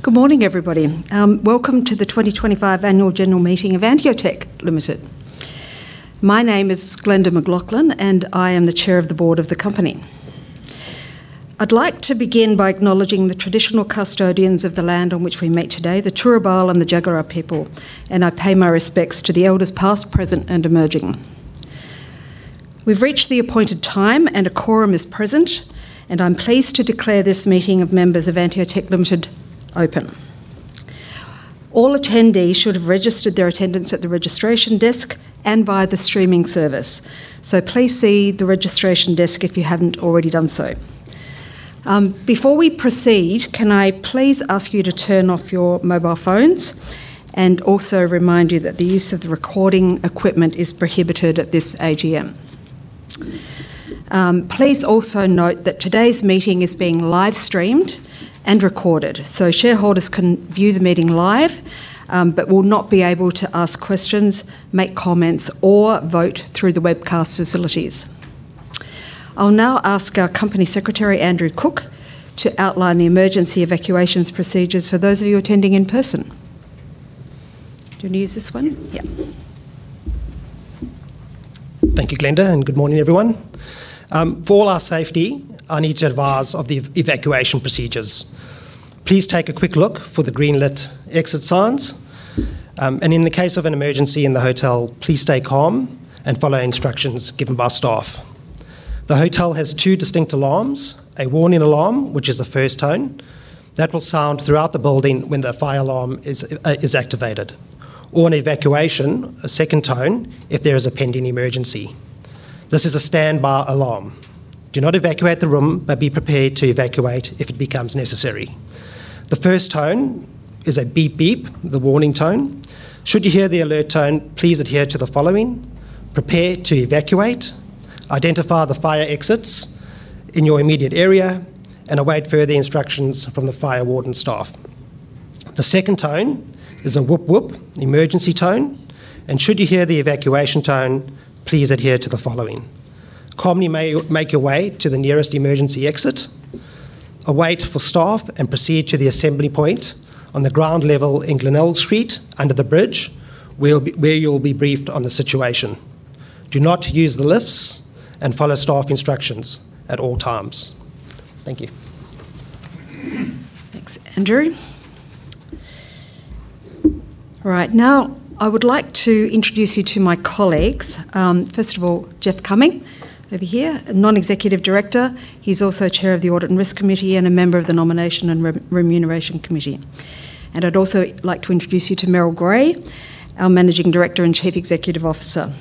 Good morning, everybody. Welcome to the 2025 Annual General Meeting of AnteoTech Limited. My name is Glenda McLoughlin, and I am the Chair of the Board of the Company. I'd like to begin by acknowledging the traditional custodians of the land on which we meet today, the Turubal and the Jagara people, and I pay my respects to the elders past, present, and emerging. We've reached the appointed time, and a quorum is present, and I'm pleased to declare this meeting of members of AnteoTech Limited open. All attendees should have registered their attendance at the registration desk and via the streaming service, so please see the registration desk if you haven't already done so. Before we proceed, can I please ask you to turn off your mobile phones and also remind you that the use of the recording equipment is prohibited at this AGM? Please also note that today's meeting is being live-streamed and recorded, so shareholders can view the meeting live but will not be able to ask questions, make comments, or vote through the webcast facilities. I'll now ask our Company Secretary, Andrew Cook, to outline the emergency evacuation procedures for those of you attending in person. Do you want to use this one? Yeah. Thank you, Glenda, and good morning, everyone. For all our safety, I need to advise of the evacuation procedures. Please take a quick look for the green-lit exit signs, and in the case of an emergency in the hotel, please stay calm and follow instructions given by staff. The hotel has two distinct alarms: a warning alarm, which is the first tone that will sound throughout the building when the fire alarm is activated, or an evacuation, a second tone, if there is a pending emergency. This is a standby alarm. Do not evacuate the room, but be prepared to evacuate if it becomes necessary. The first tone is a beep-beep, the warning tone. Should you hear the alert tone, please adhere to the following: prepare to evacuate, identify the fire exits in your immediate area, and await further instructions from the fire warden staff. The second tone is a whoop-whoop, emergency tone, and should you hear the evacuation tone, please adhere to the following: calmly make your way to the nearest emergency exit, await staff, and proceed to the assembly point on the ground level in Glenelg Street, under the bridge, where you'll be briefed on the situation. Do not use the lifts and follow staff instructions at all times. Thank you. Thanks, Andrew. Right, now I would like to introduce you to my colleagues. First of all, Jeff Cumming, over here, a non-executive director. He's also Chair of the Audit and Risk Committee and a member of the Nomination and Remuneration Committee. I would also like to introduce you to Merrill Gray, our Managing Director and Chief Executive Officer.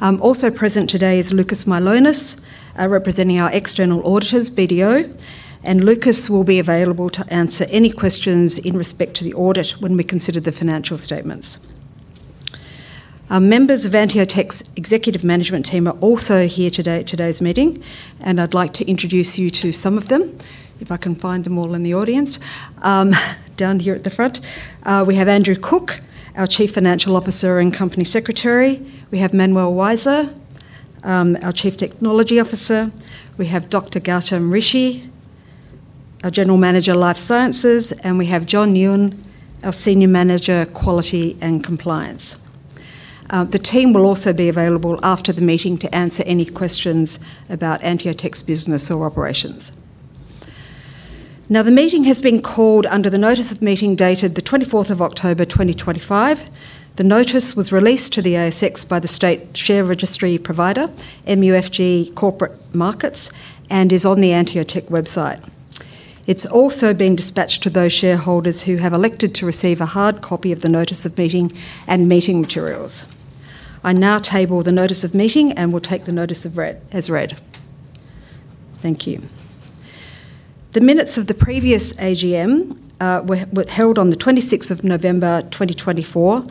Also present today is Lucas Milonas, representing our external auditors, BDO, and Lucas will be available to answer any questions in respect to the audit when we consider the financial statements. Members of AnteoTech's executive management team are also here today at today's meeting, and I'd like to introduce you to some of them, if I can find them all in the audience, down here at the front. We have Andrew Cook, our Chief Financial Officer and Company Secretary. We have Manuel Wieser, our Chief Technology Officer. We have Dr. Gautam Rishi, our General Manager, Life Sciences, and we have John Nguyen, our Senior Manager, Quality and Compliance. The team will also be available after the meeting to answer any questions about AnteoTech's business or operations. Now, the meeting has been called under the notice of meeting dated the 24th of October 2025. The notice was released to the ASX by the state share registry provider, MUFG Corporate Markets, and is on the AnteoTech website. It's also been dispatched to those shareholders who have elected to receive a hard copy of the notice of meeting and meeting materials. I now table the notice of meeting and will take the notice as read. Thank you. The minutes of the previous AGM were held on the 26th of November 2024.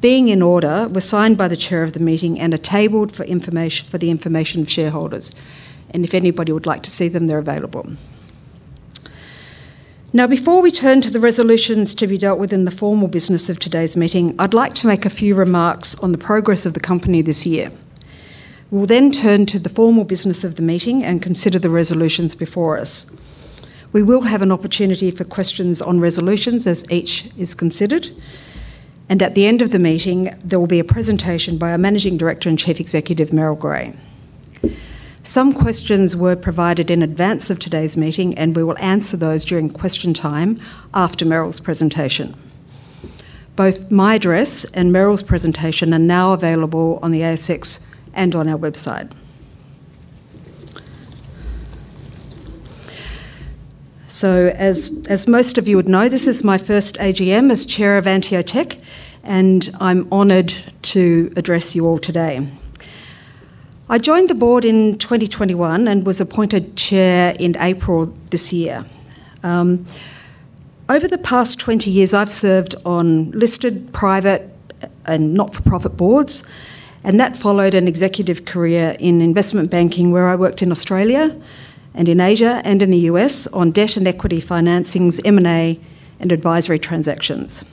Being in order, were signed by the chair of the meeting and are tabled for the information of shareholders. If anybody would like to see them, they are available. Now, before we turn to the resolutions to be dealt with in the formal business of today's meeting, I'd like to make a few remarks on the progress of the company this year. We will then turn to the formal business of the meeting and consider the resolutions before us. We will have an opportunity for questions on resolutions as each is considered, and at the end of the meeting, there will be a presentation by our Managing Director and Chief Executive, Merrill Gray. Some questions were provided in advance of today's meeting, and we will answer those during question time after Merrill's presentation. Both my address and Merrill's presentation are now available on the ASX and on our website. As most of you would know, this is my first AGM as Chair of AnteoTech, and I'm honored to address you all today. I joined the board in 2021 and was appointed Chair in April this year. Over the past 20 years, I've served on listed, private, and not-for-profit boards, and that followed an executive career in investment banking where I worked in Australia and in Asia and in the U.S. on debt and equity financings, M&A, and advisory transactions.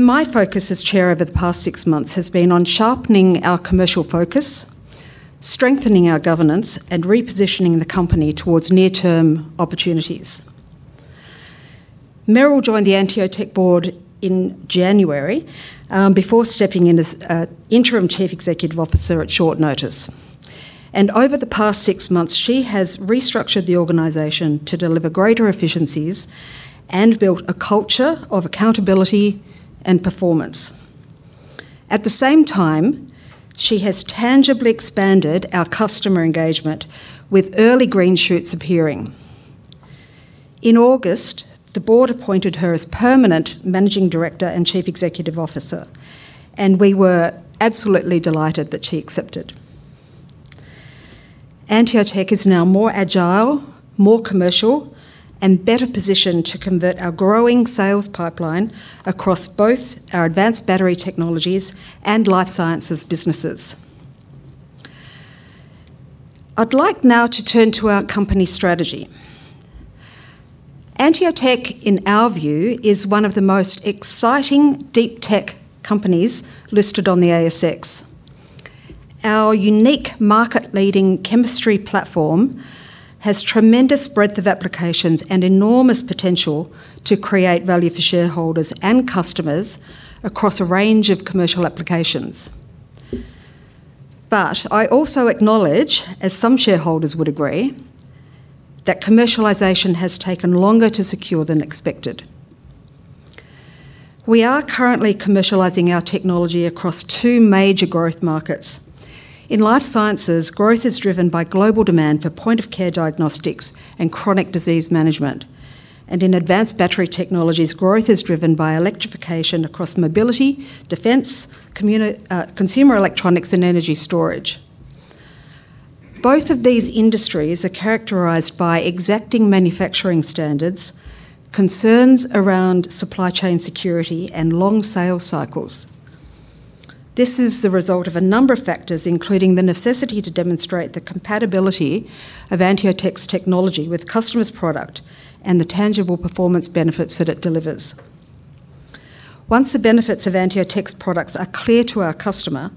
My focus as Chair over the past six months has been on sharpening our commercial focus, strengthening our governance, and repositioning the company towards near-term opportunities. Merrill joined the AnteoTech board in January before stepping in as interim Chief Executive Officer at short notice. Over the past six months, she has restructured the organization to deliver greater efficiencies and built a culture of accountability and performance. At the same time, she has tangibly expanded our customer engagement with early green shoots appearing. In August, the board appointed her as permanent Managing Director and Chief Executive Officer, and we were absolutely delighted that she accepted. AnteoTech is now more agile, more commercial, and better positioned to convert our growing sales pipeline across both our advanced battery technologies and life sciences businesses. I'd like now to turn to our company strategy. AnteoTech, in our view, is one of the most exciting deep tech companies listed on the ASX. Our unique market-leading chemistry platform has tremendous breadth of applications and enormous potential to create value for shareholders and customers across a range of commercial applications. I also acknowledge, as some shareholders would agree, that commercialisation has taken longer to secure than expected. We are currently commercialising our technology across two major growth markets. In life sciences, growth is driven by global demand for point-of-care diagnostics and chronic disease management, and in advanced battery technologies, growth is driven by electrification across mobility, defense, consumer electronics, and energy storage. Both of these industries are characterized by exacting manufacturing standards, concerns around supply chain security, and long sales cycles. This is the result of a number of factors, including the necessity to demonstrate the compatibility of AnteoTech's technology with customers' product and the tangible performance benefits that it delivers. Once the benefits of AnteoTech's products are clear to our customer,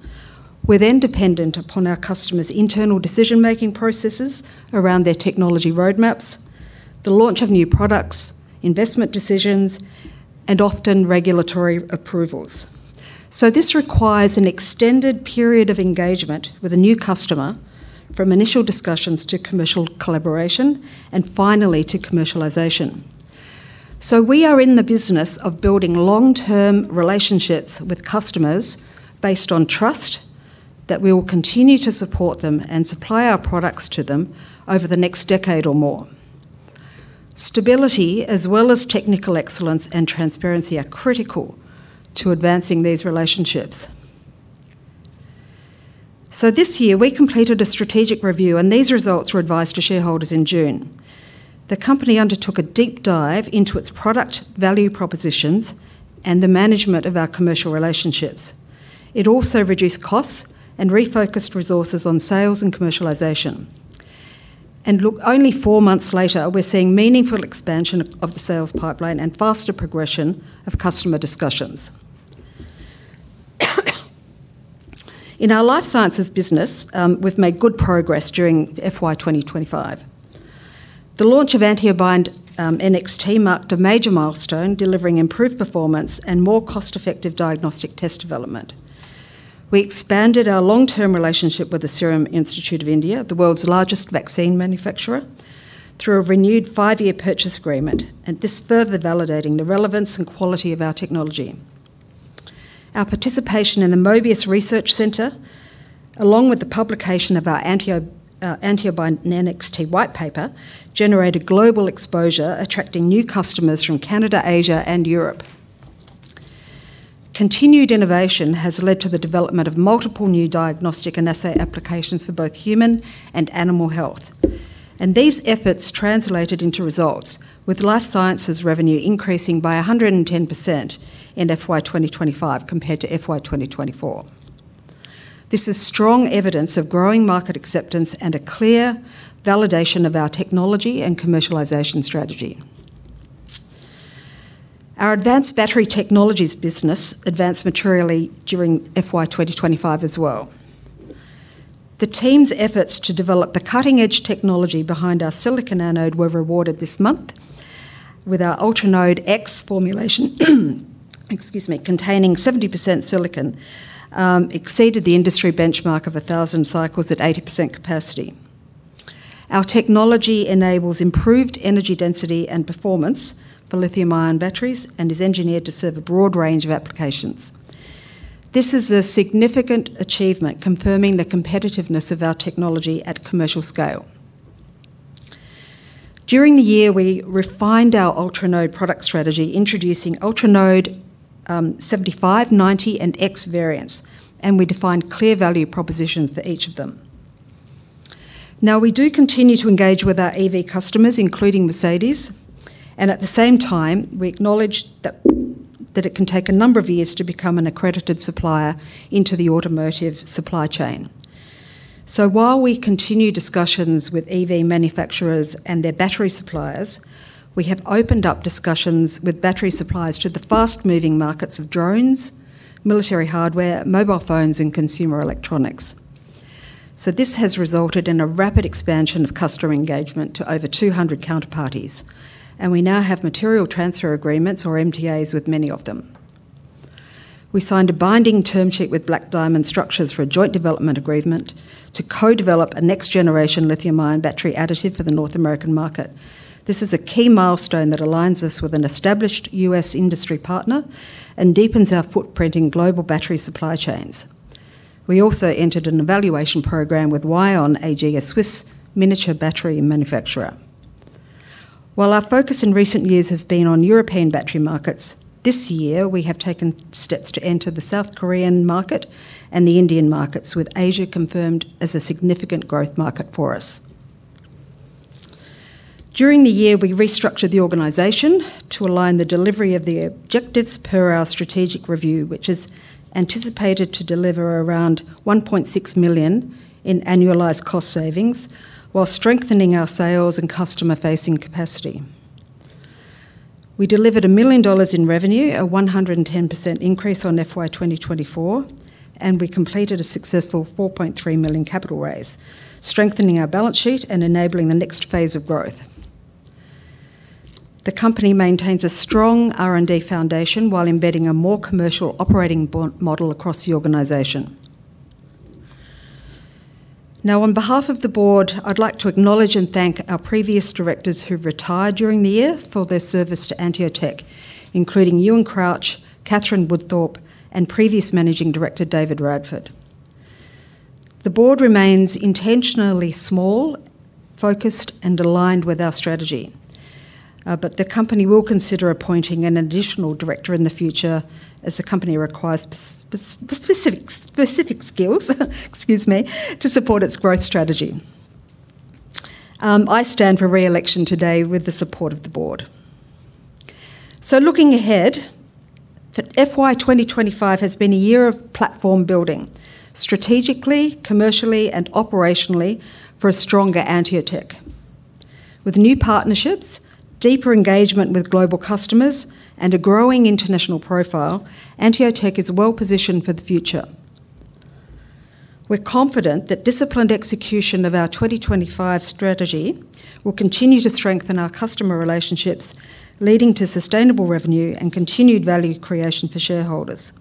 we're then dependent upon our customers' internal decision-making processes around their technology roadmaps, the launch of new products, investment decisions, and often regulatory approvals. This requires an extended period of engagement with a new customer, from initial discussions to commercial collaboration, and finally to commercialization. We are in the business of building long-term relationships with customers based on trust that we will continue to support them and supply our products to them over the next decade or more. Stability, as well as technical excellence and transparency, are critical to advancing these relationships. This year, we completed a strategic review, and these results were advised to shareholders in June. The company undertook a deep dive into its product value propositions and the management of our commercial relationships. It also reduced costs and refocused resources on sales and commercialisation. Only four months later, we're seeing meaningful expansion of the sales pipeline and faster progression of customer discussions. In our life sciences business, we've made good progress during FY 2025. The launch of AnteoBind NXT marked a major milestone, delivering improved performance and more cost-effective diagnostic test development. We expanded our long-term relationship with the Serum Institute of India, the world's largest vaccine manufacturer, through a renewed five-year purchase agreement, and this further validated the relevance and quality of our technology. Our participation in the Mobius Research Centre, along with the publication of our AnteoBind NXT white paper, generated global exposure, attracting new customers from Canada, Asia, and Europe. Continued innovation has led to the development of multiple new diagnostic and assay applications for both human and animal health, and these efforts translated into results, with life sciences revenue increasing by 110% in FY 2025 compared to FY 2024. This is strong evidence of growing market acceptance and a clear validation of our technology and commercialisation strategy. Our advanced battery technologies business advanced materially during FY 2025 as well. The team's efforts to develop the cutting-edge technology behind our silicon anode were rewarded this month, with our UltraNode X formulation, excuse me, containing 70% silicon, exceeded the industry benchmark of 1,000 cycles at 80% capacity. Our technology enables improved energy density and performance for lithium-ion batteries and is engineered to serve a broad range of applications. This is a significant achievement, confirming the competitiveness of our technology at commercial scale. During the year, we refined our UltraNode product strategy, introducing UltraNode 75, 90, and X variants, and we defined clear value propositions for each of them. Now, we do continue to engage with our EV customers, including Mercedes, and at the same time, we acknowledge that it can take a number of years to become an accredited supplier into the automotive supply chain. While we continue discussions with EV manufacturers and their battery suppliers, we have opened up discussions with battery suppliers to the fast-moving markets of drones, military hardware, mobile phones, and consumer electronics. This has resulted in a rapid expansion of customer engagement to over 200 counterparties, and we now have material transfer agreements, or MTAs, with many of them. We signed a binding term sheet with Black Diamond Structures for a joint development agreement to co-develop a next-generation lithium-ion battery additive for the North American market. This is a key milestone that aligns us with an established U.S. industry partner and deepens our footprint in global battery supply chains. We also entered an evaluation program with Wion, a Swiss miniature battery manufacturer. While our focus in recent years has been on European battery markets, this year, we have taken steps to enter the South Korean market and the Indian markets, with Asia confirmed as a significant growth market for us. During the year, we restructured the organization to align the delivery of the objectives per our strategic review, which is anticipated to deliver around 1.6 million in annualized cost savings, while strengthening our sales and customer-facing capacity. We delivered 1 million dollars in revenue, a 110% increase on FY 2024, and we completed a successful 4.3 million capital raise, strengthening our balance sheet and enabling the next phase of growth. The company maintains a strong R&D foundation while embedding a more commercial operating model across the organization. Now, on behalf of the board, I'd like to acknowledge and thank our previous directors who retired during the year for their service to AnteoTech, including Ewen Crouch, Katherine Woodthorpe, and previous Managing Director David Radford. The board remains intentionally small, focused, and aligned with our strategy, but the company will consider appointing an additional director in the future as the company requires specific skills, excuse me, to support its growth strategy. I stand for re-election today with the support of the board. Looking ahead, FY 2025 has been a year of platform building strategically, commercially, and operationally for a stronger AnteoTech. With new partnerships, deeper engagement with global customers, and a growing international profile, AnteoTech is well positioned for the future. We're confident that disciplined execution of our 2025 strategy will continue to strengthen our customer relationships, leading to sustainable revenue and continued value creation for shareholders.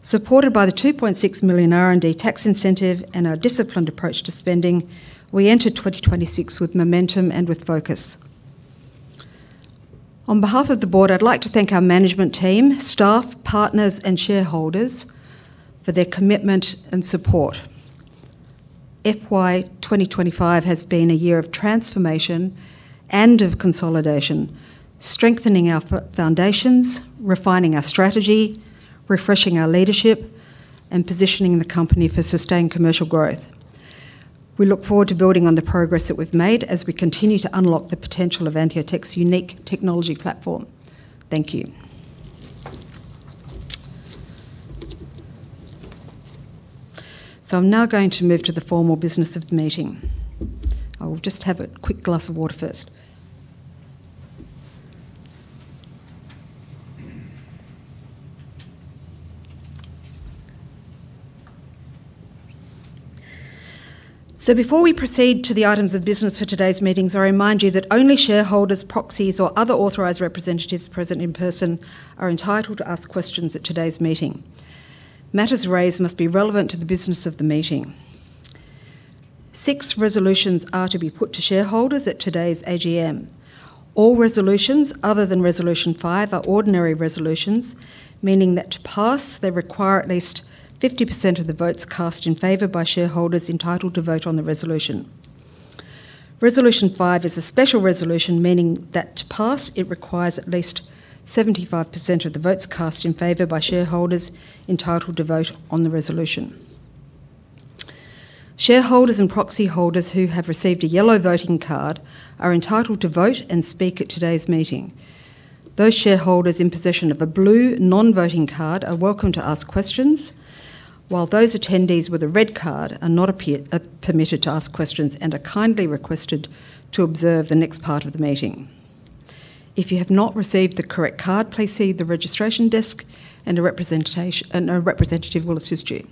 Supported by the 2.6 million R&D Tax Incentive and our disciplined approach to spending, we entered 2026 with momentum and with focus. On behalf of the board, I'd like to thank our management team, staff, partners, and shareholders for their commitment and support. FY 2025 has been a year of transformation and of consolidation, strengthening our foundations, refining our strategy, refreshing our leadership, and positioning the company for sustained commercial growth. We look forward to building on the progress that we've made as we continue to unlock the potential of AnteoTech's unique technology platform. Thank you. I am now going to move to the formal business of the meeting. I will just have a quick glass of water first. Before we proceed to the items of business for today's meetings, I remind you that only shareholders, proxies, or other authorized representatives present in person are entitled to ask questions at today's meeting. Matters raised must be relevant to the business of the meeting. Six resolutions are to be put to shareholders at today's AGM. All resolutions other than Resolution 5 are ordinary resolutions, meaning that to pass, they require at least 50% of the votes cast in favor by shareholders entitled to vote on the resolution. Resolution 5 is a special resolution, meaning that to pass, it requires at least 75% of the votes cast in favor by shareholders entitled to vote on the resolution. Shareholders and proxy holders who have received a yellow voting card are entitled to vote and speak at today's meeting. Those shareholders in possession of a blue non-voting card are welcome to ask questions, while those attendees with a red card are not permitted to ask questions and are kindly requested to observe the next part of the meeting. If you have not received the correct card, please see the registration desk, and a representative will assist you.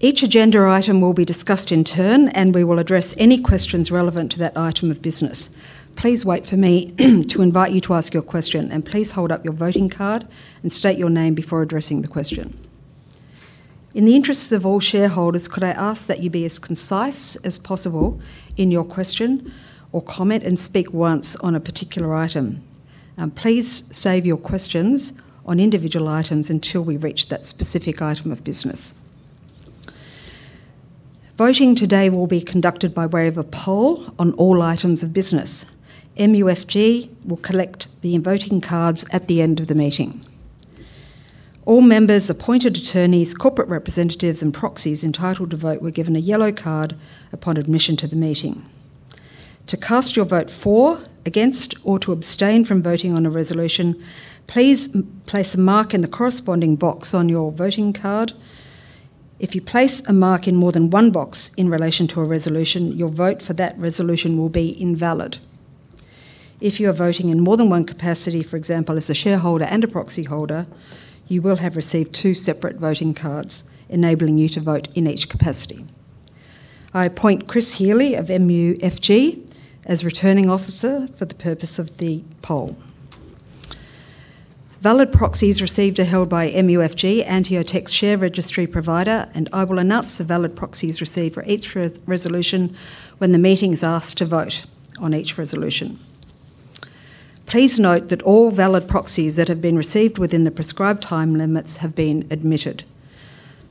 Each agenda item will be discussed in turn, and we will address any questions relevant to that item of business. Please wait for me to invite you to ask your question, and please hold up your voting card and state your name before addressing the question. In the interests of all shareholders, could I ask that you be as concise as possible in your question or comment and speak once on a particular item? Please save your questions on individual items until we reach that specific item of business. Voting today will be conducted by way of a poll on all items of business. MUFG will collect the voting cards at the end of the meeting. All members, appointed attorneys, corporate representatives, and proxies entitled to vote were given a yellow card upon admission to the meeting. To cast your vote for, against, or to abstain from voting on a resolution, please place a mark in the corresponding box on your voting card. If you place a mark in more than one box in relation to a resolution, your vote for that resolution will be invalid. If you are voting in more than one capacity, for example, as a shareholder and a proxy holder, you will have received two separate voting cards, enabling you to vote in each capacity. I appoint Chris Healey of MUFG as returning officer for the purpose of the poll. Valid proxies received are held by MUFG, AnteoTech's share registry provider, and I will announce the valid proxies received for each resolution when the meeting is asked to vote on each resolution. Please note that all valid proxies that have been received within the prescribed time limits have been admitted.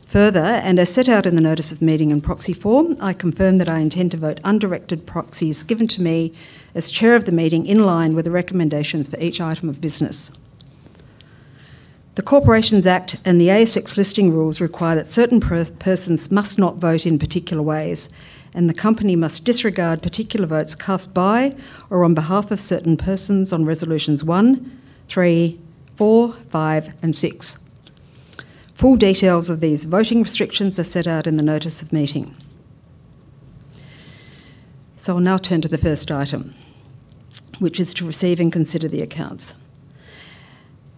Further, and as set out in the notice of meeting and proxy form, I confirm that I intend to vote undirected proxies given to me as Chair of the meeting in line with the recommendations for each item of business. The Corporations Act and the ASX Listing Rules require that certain persons must not vote in particular ways, and the company must disregard particular votes cast by or on behalf of certain persons on Resolutions 1, 3, 4, 5, and 6. Full details of these voting restrictions are set out in the notice of meeting. I'll now turn to the first item, which is to receive and consider the accounts.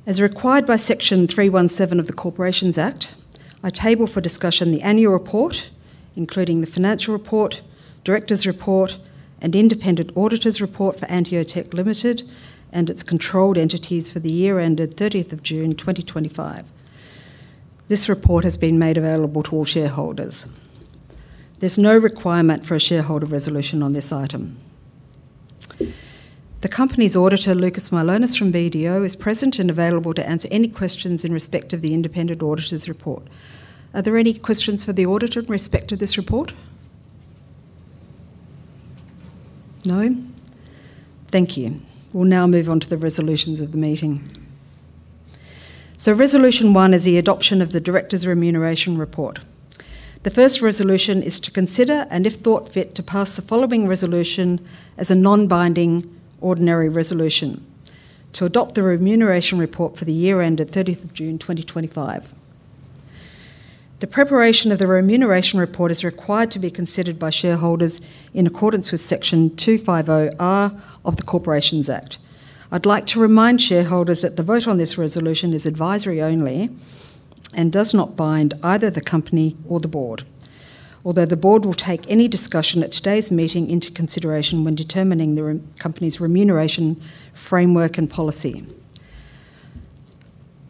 As required by Section 317 of the Corporations Act, I table for discussion the annual report, including the financial report, director's report, and independent auditor's report for AnteoTech Limited and its controlled entities for the year ended 30th June 2025. This report has been made available to all shareholders. There's no requirement for a shareholder resolution on this item. The company's auditor, Loucas Mylonas from BDO, is present and available to answer any questions in respect of the independent auditor's report. Are there any questions for the auditor in respect of this report? No? Thank you. We'll now move on to the resolutions of the meeting. Resolution 1 is the adoption of the director's remuneration report. The first resolution is to consider and, if thought fit, to pass the following resolution as a non-binding ordinary resolution: to adopt the remuneration report for the year ended 30 June 2025. The preparation of the remuneration report is required to be considered by shareholders in accordance with Section 250(a) of the Corporations Act. I'd like to remind shareholders that the vote on this resolution is advisory only and does not bind either the company or the board, although the board will take any discussion at today's meeting into consideration when determining the company's remuneration framework and policy.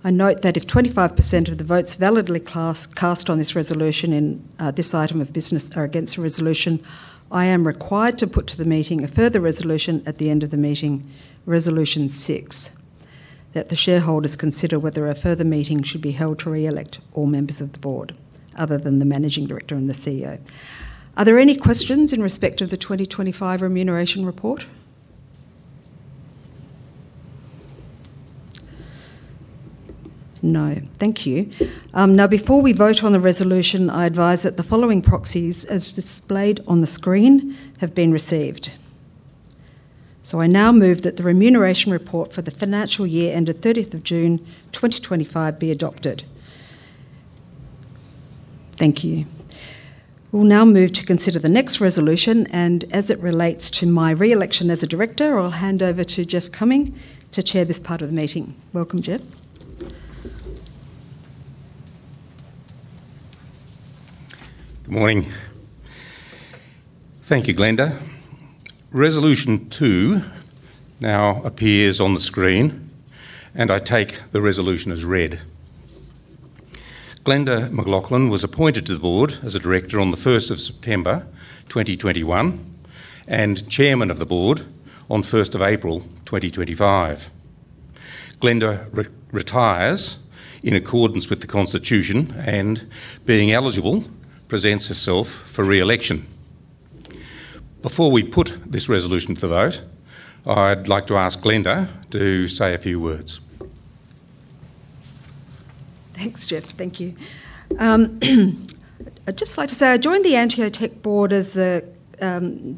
I note that if 25% of the votes validly cast on this resolution in this item of business are against the resolution, I am required to put to the meeting a further resolution at the end of the meeting, Resolution 6, that the shareholders consider whether a further meeting should be held to re-elect all members of the board other than the Managing Director and the CEO. Are there any questions in respect of the 2025 remuneration report? No. Thank you. Now, before we vote on the resolution, I advise that the following proxies, as displayed on the screen, have been received. I now move that the remuneration report for the financial year ended 30th June 2025 be adopted. Thank you. We'll now move to consider the next resolution, and as it relates to my re-election as a director, I'll hand over to Jeff Cumming to chair this part of the meeting. Welcome, Jeff. Good morning. Thank you, Glenda. Resolution 2 now appears on the screen, and I take the resolution as read. Glenda McLoughlin was appointed to the board as a director on 1st September 2021 and chairman of the board on 1 April 2025. Glenda retires in accordance with the Constitution and, being eligible, presents herself for re-election. Before we put this resolution to the vote, I'd like to ask Glenda to say a few words. Thanks, Jeff. Thank you. I'd just like to say I joined the AnteoTech board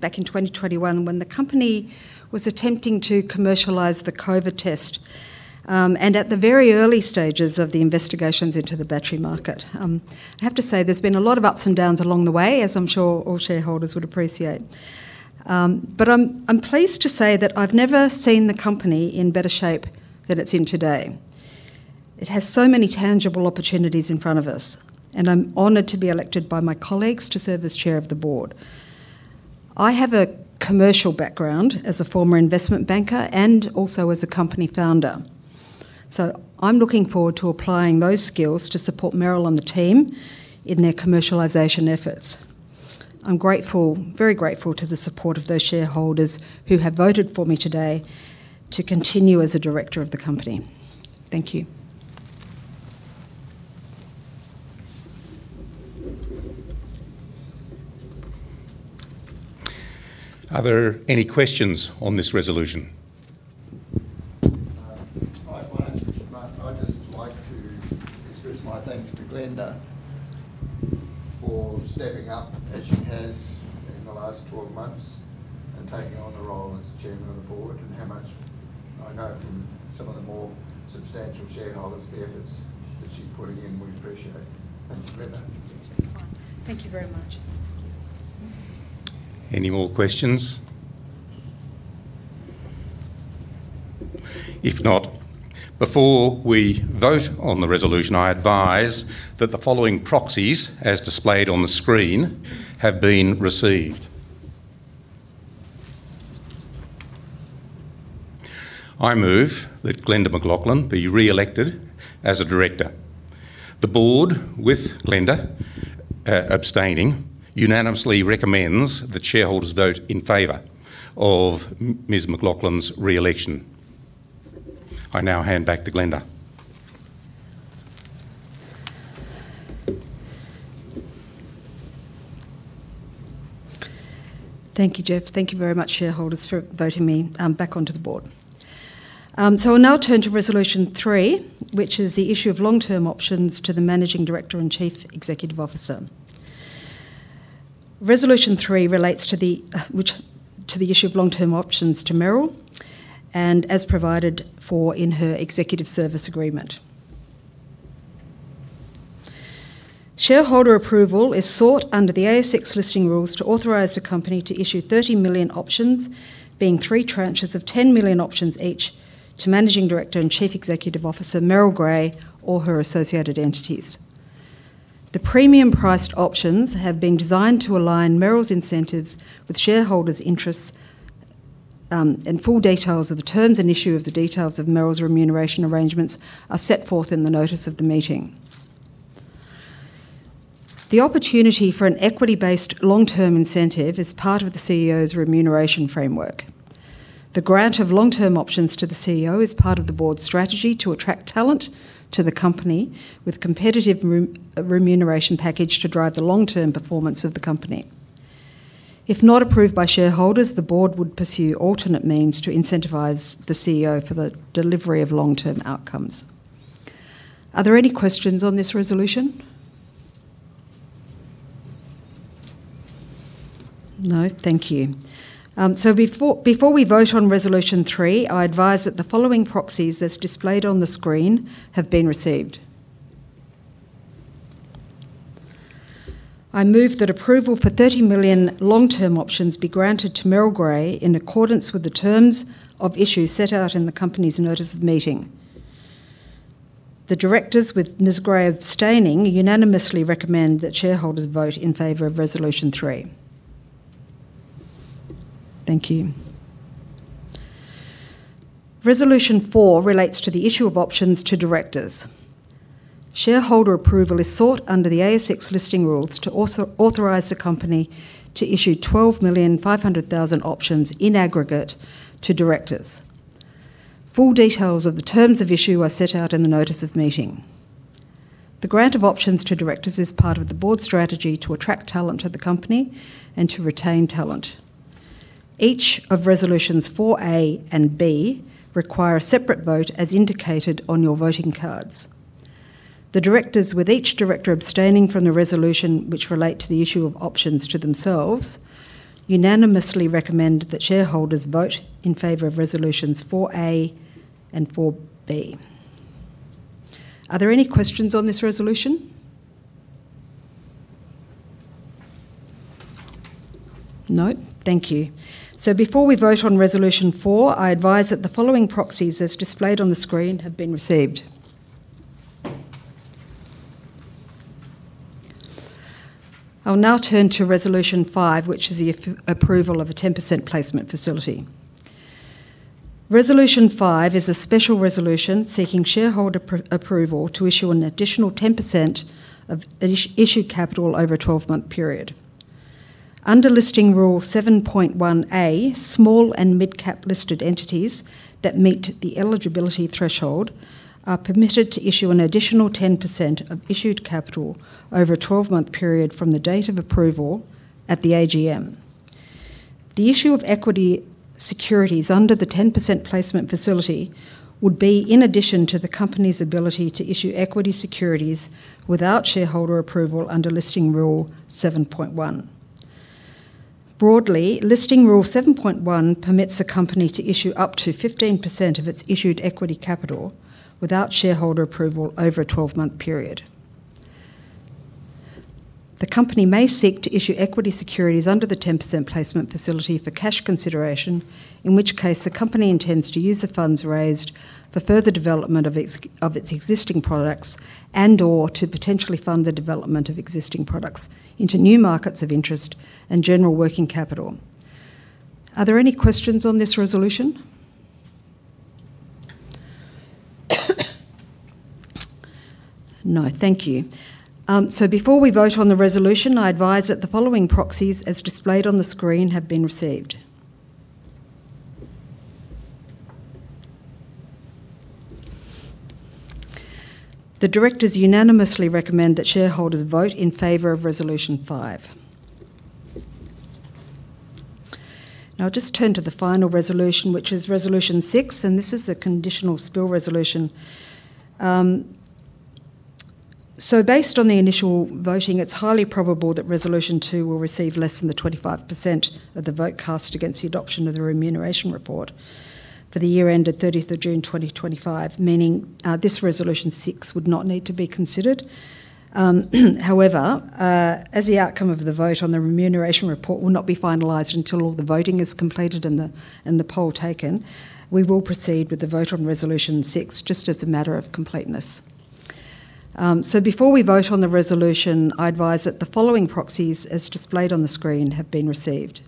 back in 2021 when the company was attempting to commercialise the COVID test and at the very early stages of the investigations into the battery market. I have to say there's been a lot of ups and downs along the way, as I'm sure all shareholders would appreciate. I'm pleased to say that I've never seen the company in better shape than it's in today. It has so many tangible opportunities in front of us, and I'm honored to be elected by my colleagues to serve as Chair of the Board. I have a commercial background as a former investment banker and also as a company founder. I'm looking forward to applying those skills to support Merrill and the team in their commercialization efforts. I'm grateful, very grateful to the support of those shareholders who have voted for me today to continue as a director of the company. Thank you. Are there any questions on this resolution? Hi, my name's Richard. I'd just like to express my thanks to Glenda for stepping up as she has in the last 12 months and taking on the role as Chairman of the Board and how much I know from some of the more substantial shareholders the efforts that she's putting in we appreciate. Thank you, Glenda. Thank you very much. Any more questions? If not, before we vote on the resolution, I advise that the following proxies, as displayed on the screen, have been received. I move that Glenda McLoughlin be re-elected as a director. The Board, with Glenda abstaining, unanimously recommends that shareholders vote in favor of Ms. McLoughlin's re-election. I now hand back to Glenda. Thank you, Jeff. Thank you very much, shareholders, for voting me back onto the Board. I'll now turn to Resolution 3, which is the issue of long-term options to the Managing Director and Chief Executive Officer. Resolution 3 relates to the issue of long-term options to Merrill, and as provided for in her executive service agreement. Shareholder approval is sought under the ASX Listing Rules to authorize the company to issue 30 million options, being three tranches of 10 million options each, to Managing Director and Chief Executive Officer Merrill Gray or her associated entities. The premium-priced options have been designed to align Merrill's incentives with shareholders' interests, and full details of the terms and issue of the details of Merrill's remuneration arrangements are set forth in the notice of the meeting. The opportunity for an equity-based long-term incentive is part of the CEO's remuneration framework. The grant of long-term options to the CEO is part of the board's strategy to attract talent to the company with a competitive remuneration package to drive the long-term performance of the company. If not approved by shareholders, the board would pursue alternate means to incentivise the CEO for the delivery of long-term outcomes. Are there any questions on this resolution? No? Thank you. Before we vote on Resolution 3, I advise that the following proxies, as displayed on the screen, have been received. I move that approval for 30 million long-term options be granted to Merrill Gray in accordance with the terms of issue set out in the company's notice of meeting. The directors, with Ms. Gray abstaining, unanimously recommend that shareholders vote in favour of Resolution 3. Thank you. Resolution 4 relates to the issue of options to directors. Shareholder approval is sought under the ASX Listing Rules to authorize the company to issue 12,500,000 options in aggregate to directors. Full details of the terms of issue are set out in the notice of meeting. The grant of options to directors is part of the board's strategy to attract talent to the company and to retain talent. Each of Resolutions 4a and b require a separate vote, as indicated on your voting cards. The directors, with each director abstaining from the resolution which relate to the issue of options to themselves, unanimously recommend that shareholders vote in favor of Resolutions 4a and 4b. Are there any questions on this resolution? No? Thank you. Before we vote on Resolution 4, I advise that the following proxies, as displayed on the screen, have been received. I'll now turn to Resolution 5, which is the approval of a 10% placement facility. Resolution 5 is a special resolution seeking shareholder approval to issue an additional 10% of issued capital over a 12-month period. Under Listing Rule 7.1a, small and mid-cap listed entities that meet the eligibility threshold are permitted to issue an additional 10% of issued capital over a 12-month period from the date of approval at the AGM. The issue of equity securities under the 10% placement facility would be in addition to the company's ability to issue equity securities without shareholder approval under Listing Rule 7.1. Broadly, Listing Rule 7.1 permits a company to issue up to 15% of its issued equity capital without shareholder approval over a 12-month period. The company may seek to issue equity securities under the 10% placement facility for cash consideration, in which case the company intends to use the funds raised for further development of its existing products and/or to potentially fund the development of existing products into new markets of interest and general working capital. Are there any questions on this resolution? No? Thank you. Before we vote on the resolution, I advise that the following proxies, as displayed on the screen, have been received. The directors unanimously recommend that shareholders vote in favor of Resolution 5. Now, I'll just turn to the final resolution, which is Resolution 6, and this is a conditional spill resolution. Based on the initial voting, it's highly probable that Resolution 2 will receive less than 25% of the vote cast against the adoption of the remuneration report for the year ended 30th June 2025, meaning this Resolution 6 would not need to be considered. However, as the outcome of the vote on the remuneration report will not be finalized until all the voting is completed and the poll taken, we will proceed with the vote on Resolution 6 just as a matter of completeness. Before we vote on the resolution, I advise that the following proxies, as displayed on the screen, have been received.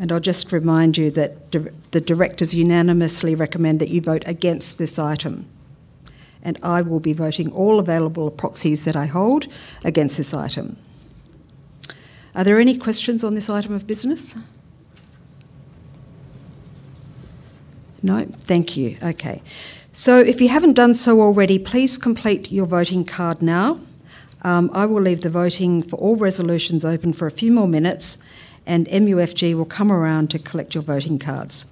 I will just remind you that the directors unanimously recommend that you vote against this item, and I will be voting all available proxies that I hold against this item. Are there any questions on this item of business? No? Thank you. Okay. If you haven't done so already, please complete your voting card now. I will leave the voting for all resolutions open for a few more minutes, and MUFG will come around to collect your voting cards.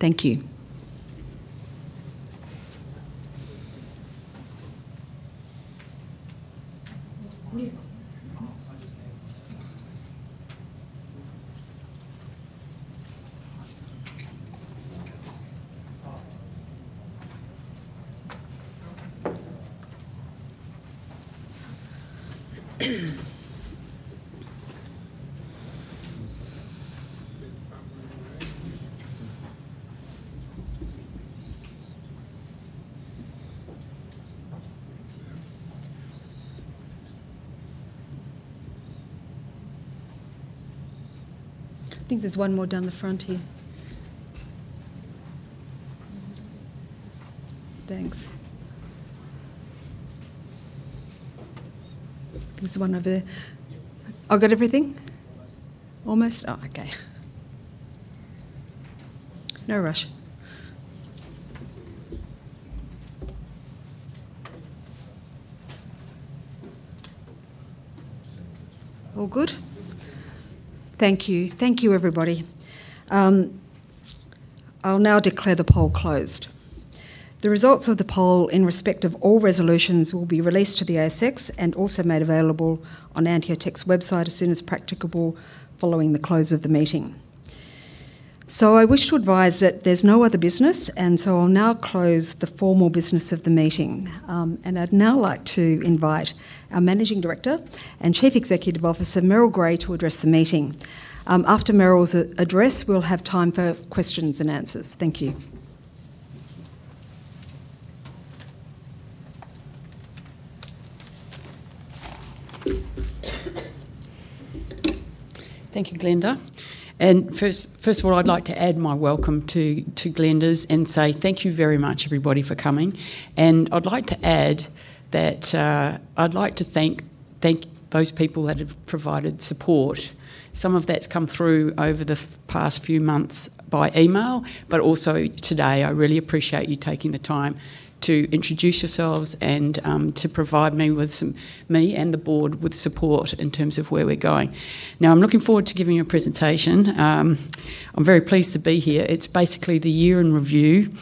Thank you. I think there's one more down the front here. Thanks. There's one over there. I've got everything? Almost? Oh, okay. No rush. All good? Thank you. Thank you, everybody. I'll now declare the poll closed. The results of the poll in respect of all resolutions will be released to the ASX and also made available on AnteoTech's website as soon as practicable following the close of the meeting. I wish to advise that there's no other business, and I'll now close the formal business of the meeting. I'd now like to invite our Managing Director and Chief Executive Officer, Merrill Gray, to address the meeting. After Merrill's address, we'll have time for questions and answers. Thank you. Thank you, Glenda. First of all, I'd like to add my welcome to Glenda's and say thank you very much, everybody, for coming. I'd like to add that I'd like to thank those people that have provided support. Some of that's come through over the past few months by email, but also today. I really appreciate you taking the time to introduce yourselves and to provide me and the board with support in terms of where we're going. Now, I'm looking forward to giving you a presentation. I'm very pleased to be here. It's basically the year in review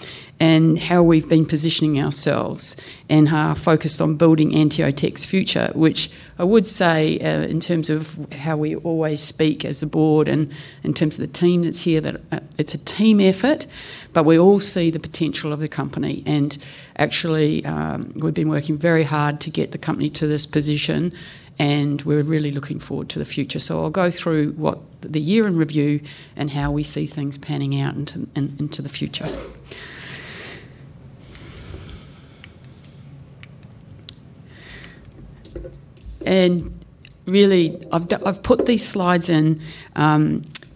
and how we've been positioning ourselves and how focused on building AnteoTech's future, which I would say, in terms of how we always speak as a board and in terms of the team that's here, that it's a team effort, but we all see the potential of the company. Actually, we've been working very hard to get the company to this position, and we're really looking forward to the future. I'll go through the year in review and how we see things panning out into the future. Really, I've put these slides in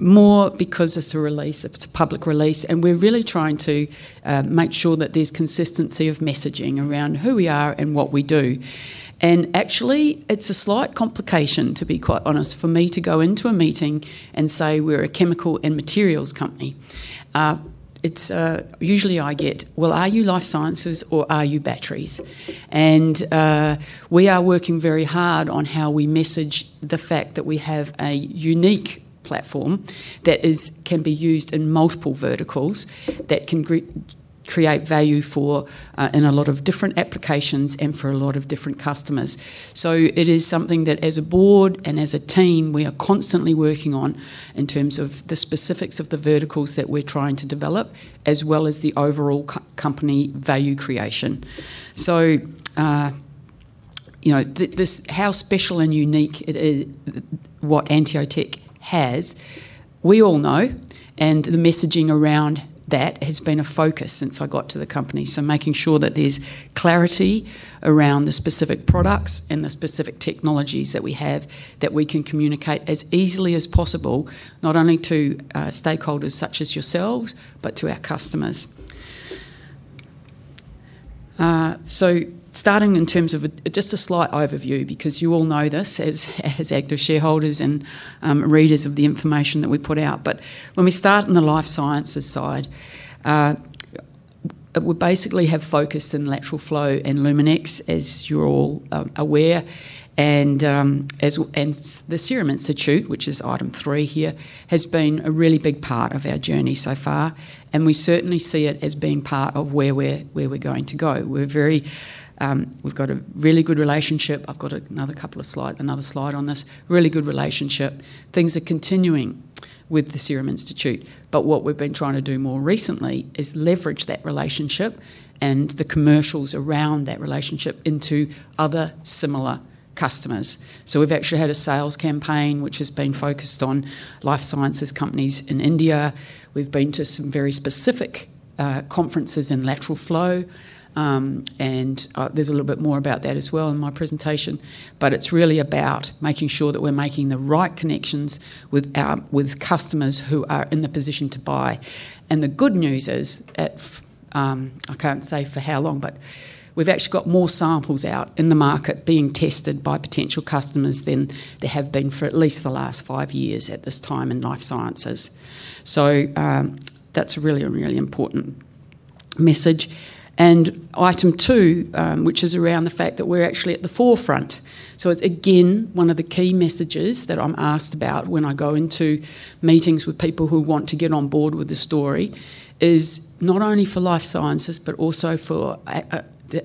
more because it's a release. It's a public release, and we're really trying to make sure that there's consistency of messaging around who we are and what we do. Actually, it's a slight complication, to be quite honest, for me to go into a meeting and say we're a chemical and materials company. Usually, I get, "Well, are you life sciences or are you batteries?" We are working very hard on how we message the fact that we have a unique platform that can be used in multiple verticals that can create value in a lot of different applications and for a lot of different customers. It is something that, as a board and as a team, we are constantly working on in terms of the specifics of the verticals that we're trying to develop, as well as the overall company value creation. How special and unique what AnteoTech has, we all know, and the messaging around that has been a focus since I got to the company. Making sure that there's clarity around the specific products and the specific technologies that we have that we can communicate as easily as possible, not only to stakeholders such as yourselves, but to our customers. Starting in terms of just a slight overview, because you all know this as active shareholders and readers of the information that we put out. When we start on the life sciences side, we basically have focused in lateral flow and Luminex, as you're all aware, and the Serum Institute, which is item three here, has been a really big part of our journey so far. We certainly see it as being part of where we're going to go. We've got a really good relationship. I've got another couple of slides on this. Really good relationship. Things are continuing with the Serum Institute, but what we've been trying to do more recently is leverage that relationship and the commercials around that relationship into other similar customers. We have actually had a sales campaign which has been focused on life sciences companies in India. We have been to some very specific conferences in lateral flow, and there is a little bit more about that as well in my presentation. It is really about making sure that we are making the right connections with customers who are in the position to buy. The good news is, I cannot say for how long, but we have actually got more samples out in the market being tested by potential customers than there have been for at least the last five years at this time in life sciences. That is a really, really important message. Item two, which is around the fact that we're actually at the forefront. It's again one of the key messages that I'm asked about when I go into meetings with people who want to get on board with the story, is not only for life sciences but also for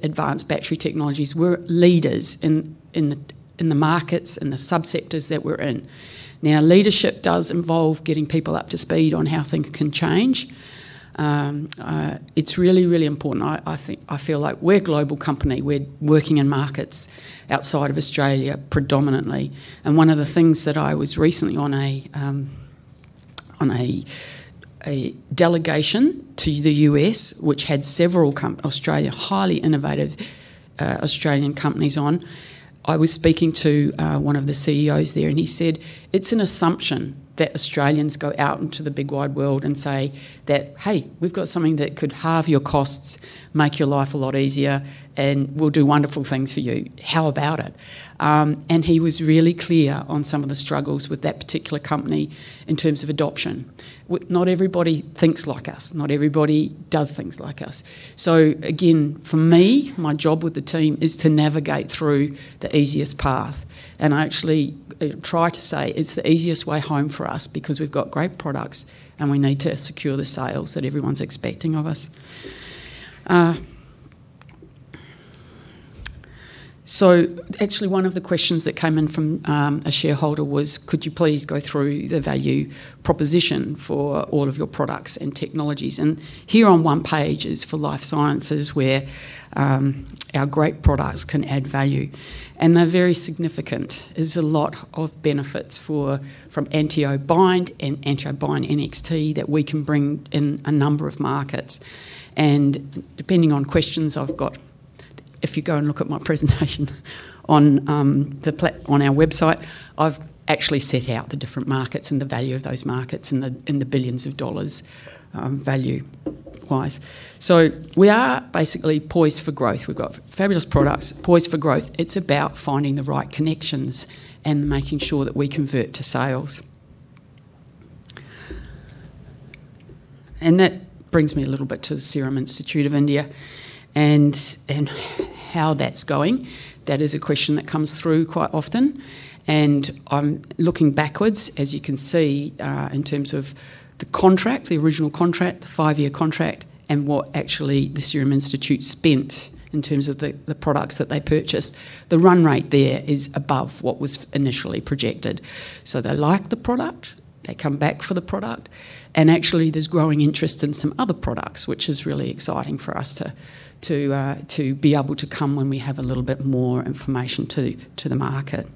advanced battery technologies. We're leaders in the markets and the subsectors that we're in. Now, leadership does involve getting people up to speed on how things can change. It's really, really important. I feel like we're a global company. We're working in markets outside of Australia predominantly. One of the things that I was recently on a delegation to the U.S., which had several highly innovative Australian companies on, I was speaking to one of the CEOs there, and he said, "It's an assumption that Australians go out into the big wide world and say that, 'Hey, we've got something that could halve your costs, make your life a lot easier, and we'll do wonderful things for you. How about it?'" He was really clear on some of the struggles with that particular company in terms of adoption. Not everybody thinks like us. Not everybody does things like us. For me, my job with the team is to navigate through the easiest path. I actually try to say it's the easiest way home for us because we've got great products and we need to secure the sales that everyone's expecting of us. Actually, one of the questions that came in from a shareholder was, "Could you please go through the value proposition for all of your products and technologies?" Here on one page is for life sciences where our great products can add value. They are very significant. There are a lot of benefits from AnteoBind and AnteoBind NXT that we can bring in a number of markets. Depending on questions, if you go and look at my presentation on our website, I have actually set out the different markets and the value of those markets and the billions of dollars value-wise. We are basically poised for growth. We have got fabulous products, poised for growth. It is about finding the right connections and making sure that we convert to sales. That brings me a little bit to the Serum Institute of India and how that is going. That is a question that comes through quite often. I'm looking backwards, as you can see, in terms of the contract, the original contract, the five-year contract, and what actually the Serum Institute spent in terms of the products that they purchased. The run rate there is above what was initially projected. They like the product. They come back for the product. Actually, there's growing interest in some other products, which is really exciting for us to be able to come when we have a little bit more information to the market.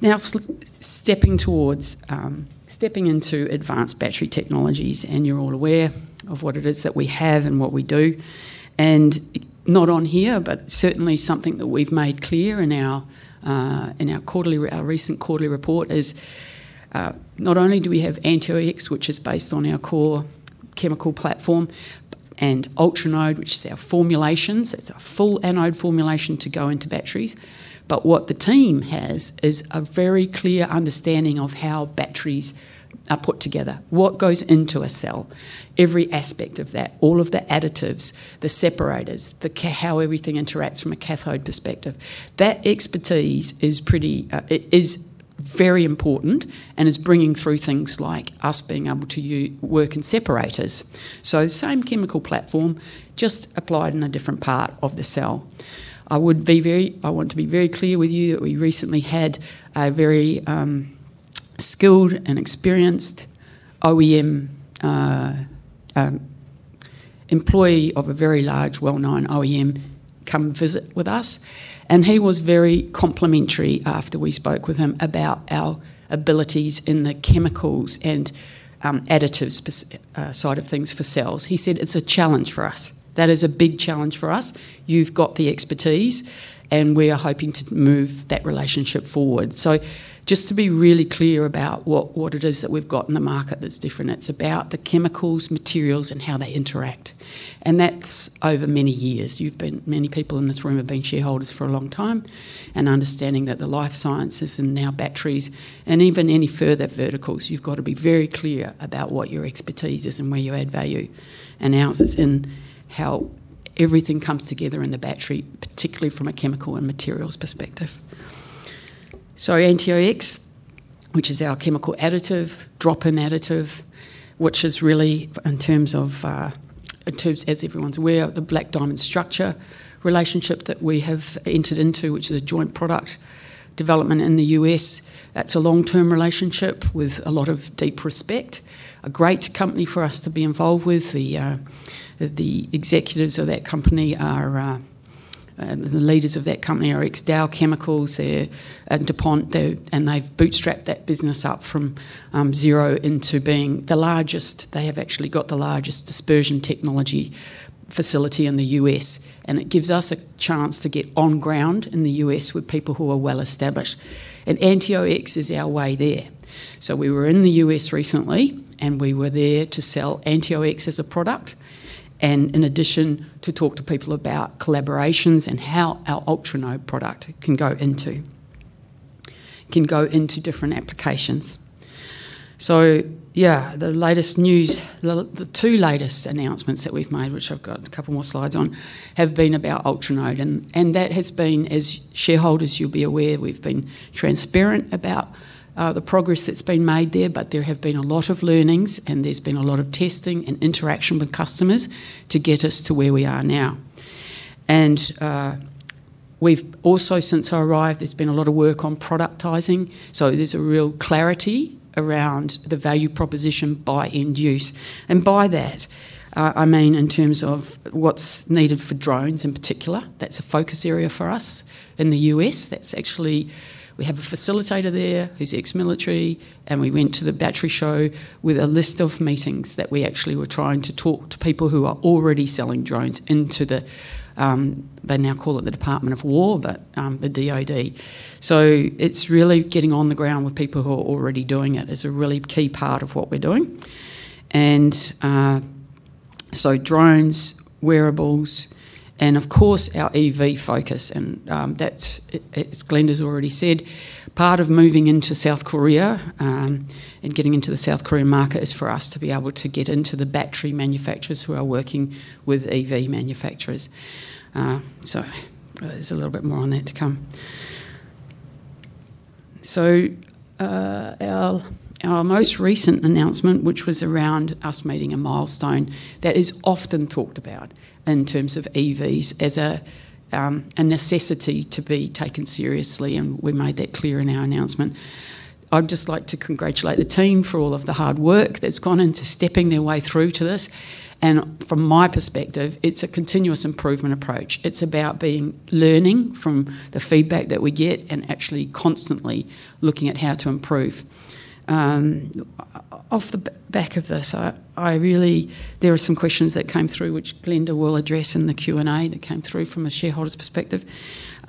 Now, stepping into advanced battery technologies, you're all aware of what it is that we have and what we do. Not on here, but certainly something that we've made clear in our recent quarterly report is not only do we have AnteoX, which is based on our core chemical platform, and UltraNode, which is our formulations. It's a full anode formulation to go into batteries. What the team has is a very clear understanding of how batteries are put together, what goes into a cell, every aspect of that, all of the additives, the separators, how everything interacts from a cathode perspective. That expertise is very important and is bringing through things like us being able to work in separators. Same chemical platform, just applied in a different part of the cell. I want to be very clear with you that we recently had a very skilled and experienced OEM employee of a very large, well-known OEM come visit with us. He was very complimentary after we spoke with him about our abilities in the chemicals and additive side of things for cells. He said, "It's a challenge for us. That is a big challenge for us. You've got the expertise, and we are hoping to move that relationship forward." Just to be really clear about what it is that we've got in the market that's different, it's about the chemicals, materials, and how they interact. That is over many years. Many people in this room have been shareholders for a long time and understanding that the life sciences and now batteries and even any further verticals, you've got to be very clear about what your expertise is and where you add value and how everything comes together in the battery, particularly from a chemical and materials perspective. AnteoX, which is our chemical additive, drop-in additive, which is really, in terms of, as everyone's aware, the Black Diamond Structures relationship that we have entered into, which is a joint product development in the U.S. That's a long-term relationship with a lot of deep respect. A great company for us to be involved with. The executives of that company, the leaders of that company, are ex-Dow Chemicals. They're at DuPont, and they've bootstrapped that business up from zero into being the largest. They have actually got the largest dispersion technology facility in the U.S. It gives us a chance to get on ground in the U.S. with people who are well established. AnteoX is our way there. We were in the U.S. recently, and we were there to sell AnteoX as a product and in addition to talk to people about collaborations and how our UltraNode product can go into different applications. Yeah, the latest news, the two latest announcements that we've made, which I've got a couple more slides on, have been about UltraNode. That has been, as shareholders you'll be aware, we've been transparent about the progress that's been made there, but there have been a lot of learnings, and there's been a lot of testing and interaction with customers to get us to where we are now. Also, since I arrived, there's been a lot of work on productizing. There's a real clarity around the value proposition by end use. By that, I mean in terms of what's needed for drones in particular, that's a focus area for us in the U.S. We have a facilitator there who's ex-military, and we went to the battery show with a list of meetings that we actually were trying to talk to people who are already selling drones into the—they now call it the Department of War, but the DOD. It is really getting on the ground with people who are already doing it. It is a really key part of what we're doing. Drones, wearables, and of course, our EV focus. As Glenda's already said, part of moving into South Korea and getting into the South Korean market is for us to be able to get into the battery manufacturers who are working with EV manufacturers. There is a little bit more on that to come. Our most recent announcement, which was around us meeting a milestone that is often talked about in terms of EVs as a necessity to be taken seriously, and we made that clear in our announcement. I'd just like to congratulate the team for all of the hard work that's gone into stepping their way through to this. From my perspective, it's a continuous improvement approach. It's about being learning from the feedback that we get and actually constantly looking at how to improve. Off the back of this, there are some questions that came through, which Glenda will address in the Q&A that came through from a shareholder's perspective. We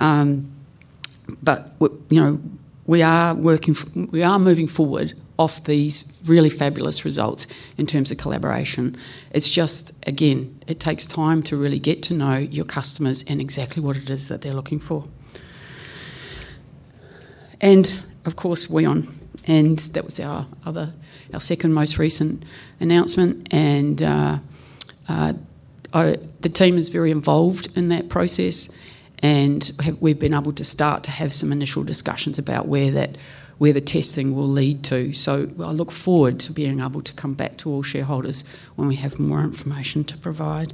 are moving forward off these really fabulous results in terms of collaboration. It's just, again, it takes time to really get to know your customers and exactly what it is that they're looking for. Of course, Wion. That was our second most recent announcement. The team is very involved in that process, and we have been able to start to have some initial discussions about where the testing will lead to. I look forward to being able to come back to all shareholders when we have more information to provide.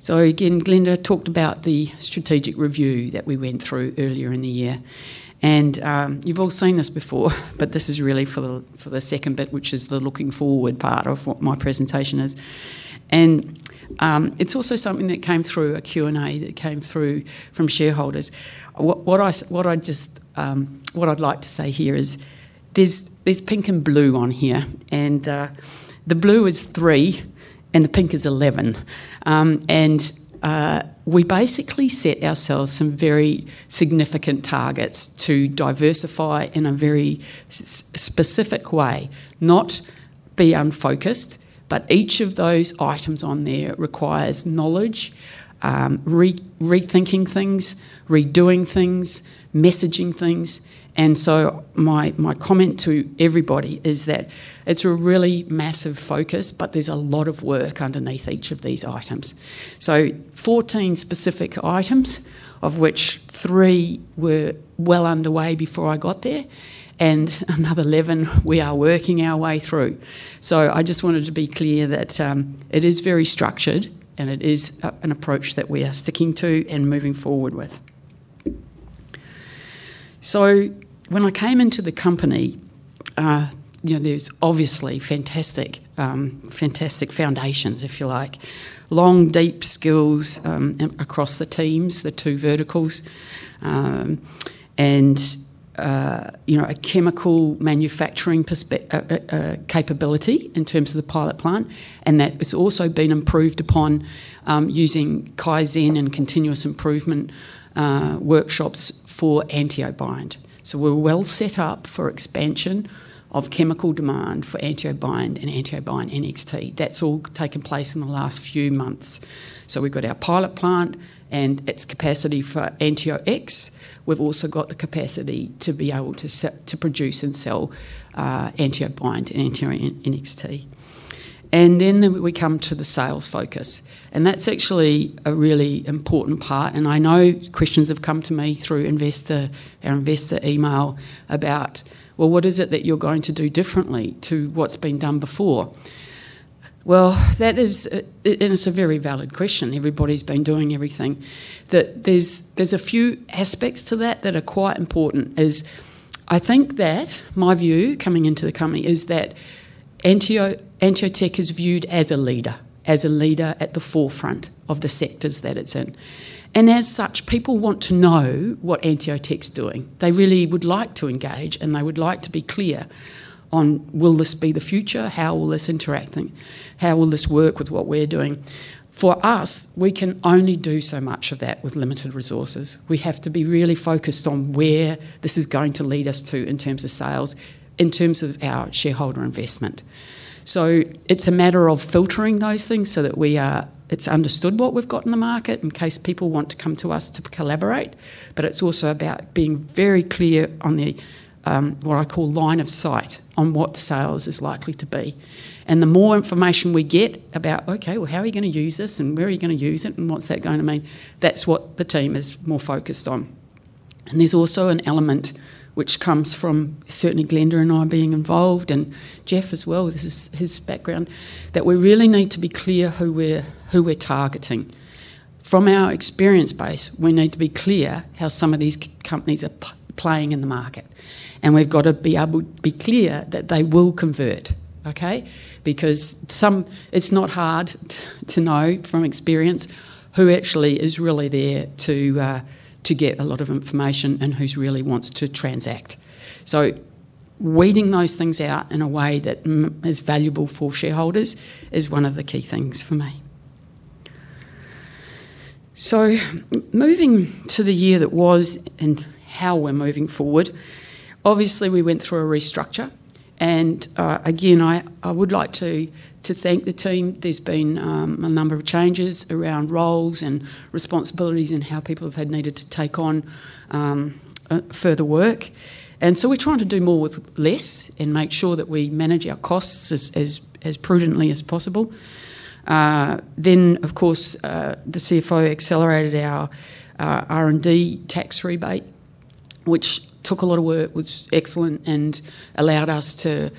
Glenda talked about the strategic review that we went through earlier in the year. You have all seen this before, but this is really for the second bit, which is the looking forward part of what my presentation is. It is also something that came through a Q&A that came through from shareholders. What I would like to say here is there is pink and blue on here, and the blue is three and the pink is 11. We basically set ourselves some very significant targets to diversify in a very specific way, not be unfocused, but each of those items on there requires knowledge, rethinking things, redoing things, messaging things. My comment to everybody is that it's a really massive focus, but there's a lot of work underneath each of these items. Fourteen specific items, of which three were well underway before I got there, and another 11 we are working our way through. I just wanted to be clear that it is very structured, and it is an approach that we are sticking to and moving forward with. When I came into the company, there's obviously fantastic foundations, if you like, long, deep skills across the teams, the two verticals, and a chemical manufacturing capability in terms of the pilot plant. That has also been improved upon using Kaizen and continuous improvement workshops for AnteoBind. We are well set up for expansion of chemical demand for AnteoBind and AnteoBind NXT. That has all taken place in the last few months. We have our pilot plant and its capacity for AnteoX. We also have the capacity to be able to produce and sell AnteoBind and AnteoBind NXT. We come to the sales focus. That is actually a really important part. I know questions have come to me through our investor email about, "What is it that you are going to do differently to what has been done before?" That is a very valid question. Everybody has been doing everything. There are a few aspects to that that are quite important. I think that my view coming into the company is that AnteoTech is viewed as a leader, as a leader at the forefront of the sectors that it's in. As such, people want to know what AnteoTech's doing. They really would like to engage, and they would like to be clear on, "Will this be the future? How will this interact? How will this work with what we're doing?" For us, we can only do so much of that with limited resources. We have to be really focused on where this is going to lead us to in terms of sales, in terms of our shareholder investment. It is a matter of filtering those things so that it's understood what we've got in the market in case people want to come to us to collaborate. It is also about being very clear on what I call line of sight on what the sales is likely to be. The more information we get about, "Okay, how are you going to use this and where are you going to use it and what is that going to mean?" That is what the team is more focused on. There is also an element which comes from certainly Glenda and I being involved and Jeff as well, his background, that we really need to be clear who we are targeting. From our experience base, we need to be clear how some of these companies are playing in the market. We have to be clear that they will convert, okay? Because it is not hard to know from experience who actually is really there to get a lot of information and who really wants to transact. Weeding those things out in a way that is valuable for shareholders is one of the key things for me. Moving to the year that was and how we're moving forward. Obviously, we went through a restructure. Again, I would like to thank the team. There's been a number of changes around roles and responsibilities and how people have needed to take on further work. We are trying to do more with less and make sure that we manage our costs as prudently as possible. Of course, the CFO accelerated our R&D tax rebate, which took a lot of work, was excellent, and allowed us to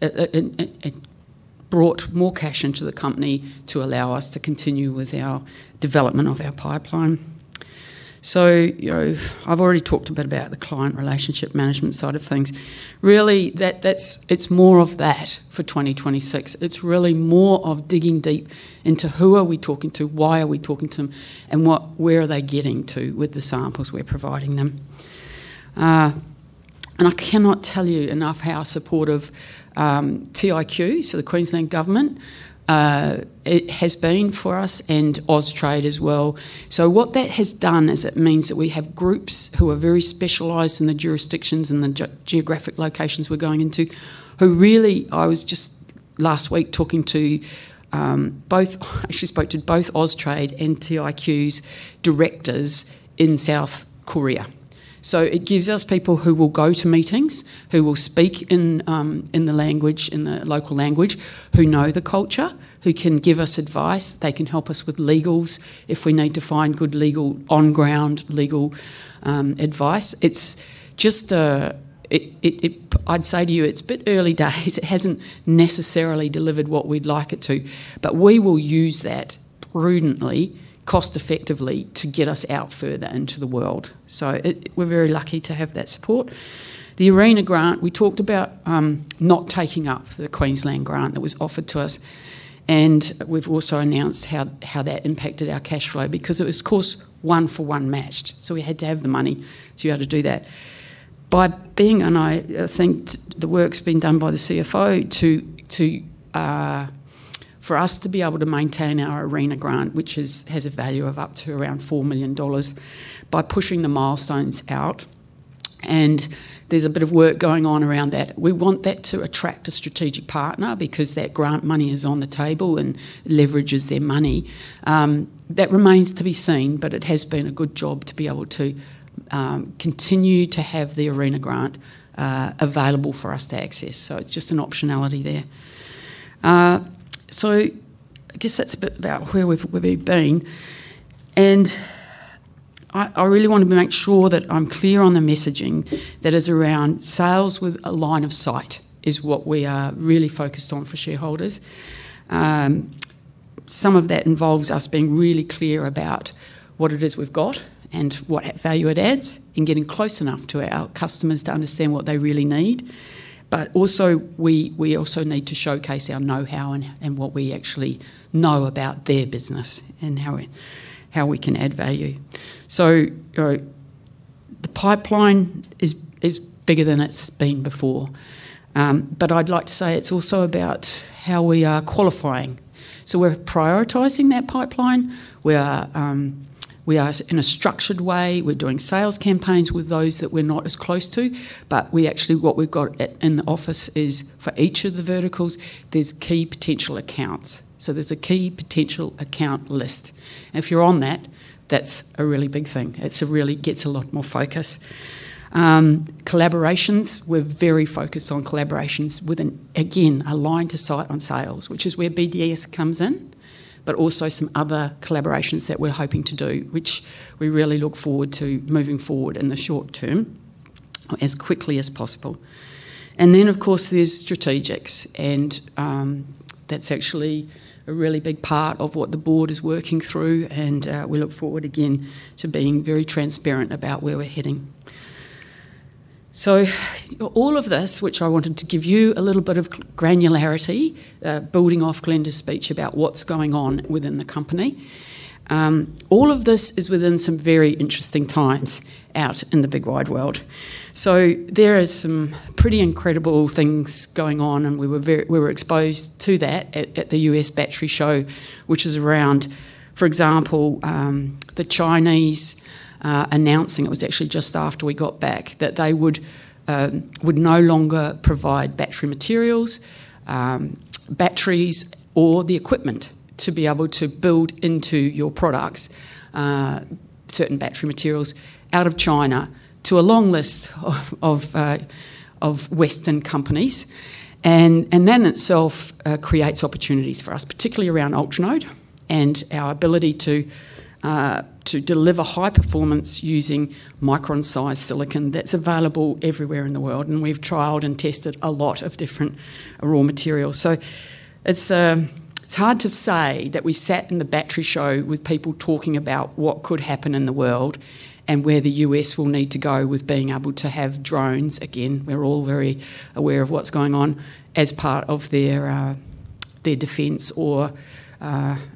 bring more cash into the company to allow us to continue with our development of our pipeline. I've already talked a bit about the client relationship management side of things. Really, it's more of that for 2026. It's really more of digging deep into who are we talking to, why are we talking to them, and where are they getting to with the samples we're providing them. I cannot tell you enough how supportive TIQ, so the Queensland government, has been for us and Austrade as well. What that has done is it means that we have groups who are very specialised in the jurisdictions and the geographic locations we're going into, who really I was just last week talking to both, actually spoke to both Austrade and TIQ's directors in South Korea. It gives us people who will go to meetings, who will speak in the language, in the local language, who know the culture, who can give us advice. They can help us with legals if we need to find good legal, on-ground legal advice. I'd say to you, it's a bit early days. It hasn't necessarily delivered what we'd like it to, but we will use that prudently, cost-effectively to get us out further into the world. We're very lucky to have that support. The Arena grant, we talked about not taking up the Queensland grant that was offered to us. We've also announced how that impacted our cash flow because it was, of course, one-for-one matched. We had to have the money to be able to do that. I think the work's been done by the CFO for us to be able to maintain our Arena grant, which has a value of up to around 4 million dollars by pushing the milestones out. There's a bit of work going on around that. We want that to attract a strategic partner because that grant money is on the table and leverages their money. That remains to be seen, but it has been a good job to be able to continue to have the Arena grant available for us to access. It is just an optionality there. I guess that is a bit about where we have been. I really want to make sure that I am clear on the messaging that is around sales with a line of sight is what we are really focused on for shareholders. Some of that involves us being really clear about what it is we have got and what value it adds in getting close enough to our customers to understand what they really need. We also need to showcase our know-how and what we actually know about their business and how we can add value. The pipeline is bigger than it's been before. I'd like to say it's also about how we are qualifying. We're prioritizing that pipeline. We are in a structured way. We're doing sales campaigns with those that we're not as close to. What we've got in the office is for each of the verticals, there's key potential accounts. There's a key potential account list. If you're on that, that's a really big thing. It gets a lot more focus. Collaborations, we're very focused on collaborations with, again, a line to sight on sales, which is where BDS comes in, but also some other collaborations that we're hoping to do, which we really look forward to moving forward in the short term as quickly as possible. Of course, there's strategics. That's actually a really big part of what the board is working through. We look forward, again, to being very transparent about where we're heading. All of this, which I wanted to give you a little bit of granularity, building off Glenda's speech about what's going on within the company. All of this is within some very interesting times out in the big wide world. There are some pretty incredible things going on, and we were exposed to that at the U.S. Battery Show, which is around, for example, the Chinese announcing it was actually just after we got back that they would no longer provide battery materials, batteries, or the equipment to be able to build into your products, certain battery materials out of China to a long list of Western companies. That in itself creates opportunities for us, particularly around UltraNode and our ability to deliver high performance using micron-sized silicon that's available everywhere in the world. We have trialled and tested a lot of different raw materials. It is hard to say that we sat in the Battery Show with people talking about what could happen in the world and where the U.S. will need to go with being able to have drones. Again, we are all very aware of what is going on as part of their defense or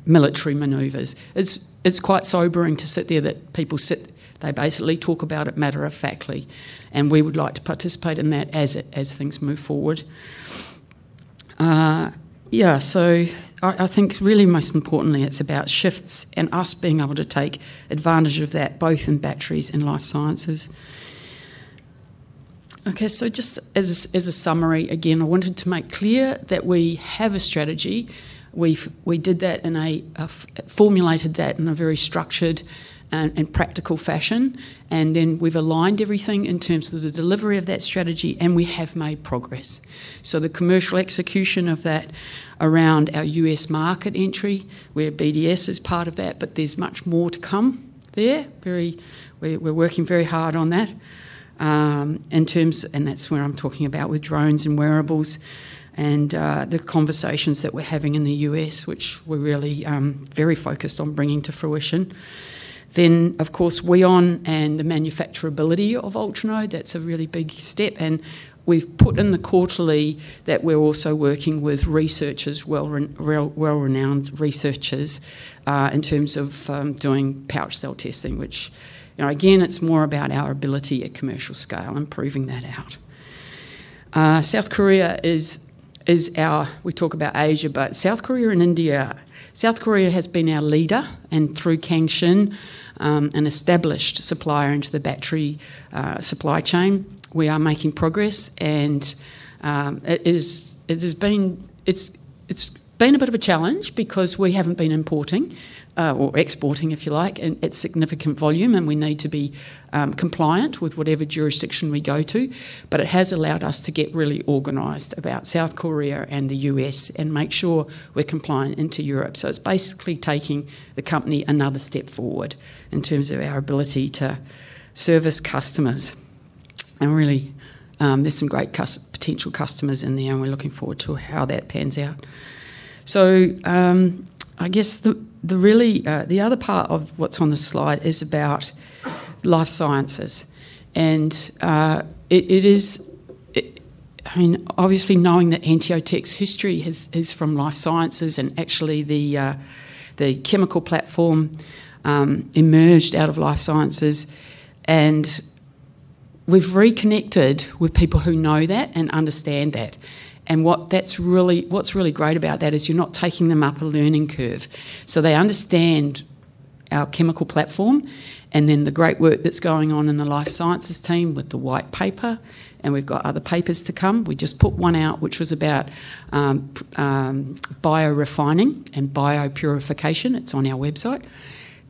military maneuvers. It is quite sobering to sit there that people sit, they basically talk about it matter-of-factly. We would like to participate in that as things move forward. I think really most importantly, it is about shifts and us being able to take advantage of that both in batteries and life sciences. Just as a summary, again, I wanted to make clear that we have a strategy. We formulated that in a very structured and practical fashion. We have aligned everything in terms of the delivery of that strategy, and we have made progress. The commercial execution of that around our U.S. market entry, where BDS is part of that, but there is much more to come there. We are working very hard on that. That is where I am talking about with drones and wearables and the conversations that we are having in the U.S., which we are really very focused on bringing to fruition. Of course, we on and the manufacturability of UltraNode, that is a really big step. We have put in the quarterly that we are also working with researchers, well-renowned researchers in terms of doing pouch cell testing, which, again, it is more about our ability at commercial scale, improving that out. South Korea is our, we talk about Asia, but South Korea and India, South Korea has been our leader and through Chang Shin, an established supplier into the battery supply chain. We are making progress. It's been a bit of a challenge because we haven't been importing or exporting, if you like, at significant volume, and we need to be compliant with whatever jurisdiction we go to. It has allowed us to get really organized about South Korea and the U.S. and make sure we're compliant into Europe. It's basically taking the company another step forward in terms of our ability to service customers. There are some great potential customers in there, and we're looking forward to how that pans out. I guess the other part of what's on the slide is about life sciences. I mean, obviously knowing that AnteoTech's history is from life sciences and actually the chemical platform emerged out of life sciences. We have reconnected with people who know that and understand that. What's really great about that is you're not taking them up a learning curve. They understand our chemical platform and then the great work that's going on in the life sciences team with the White Paper. We have got other papers to come. We just put one out, which was about biorefining and biopurification. It's on our website.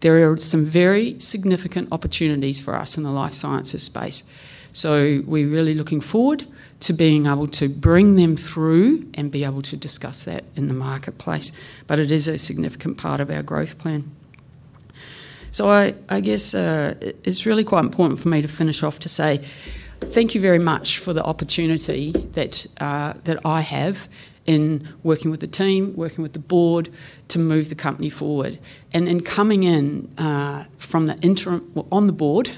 There are some very significant opportunities for us in the life sciences space. We are really looking forward to being able to bring them through and be able to discuss that in the marketplace. It is a significant part of our growth plan. I guess it's really quite important for me to finish off to say thank you very much for the opportunity that I have in working with the team, working with the board to move the company forward. Coming in from the interim on the board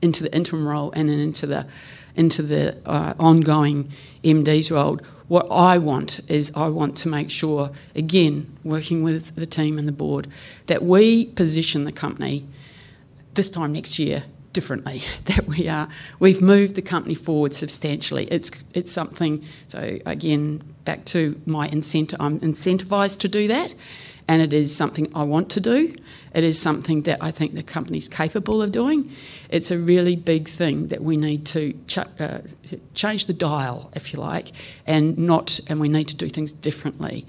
into the interim role and then into the ongoing MD's role, what I want is I want to make sure, again, working with the team and the board, that we position the company this time next year differently. We've moved the company forward substantially. It's something, again, back to my incentive. I'm incentivized to do that, and it is something I want to do. It is something that I think the company's capable of doing. It's a really big thing that we need to change the dial, if you like, and we need to do things differently.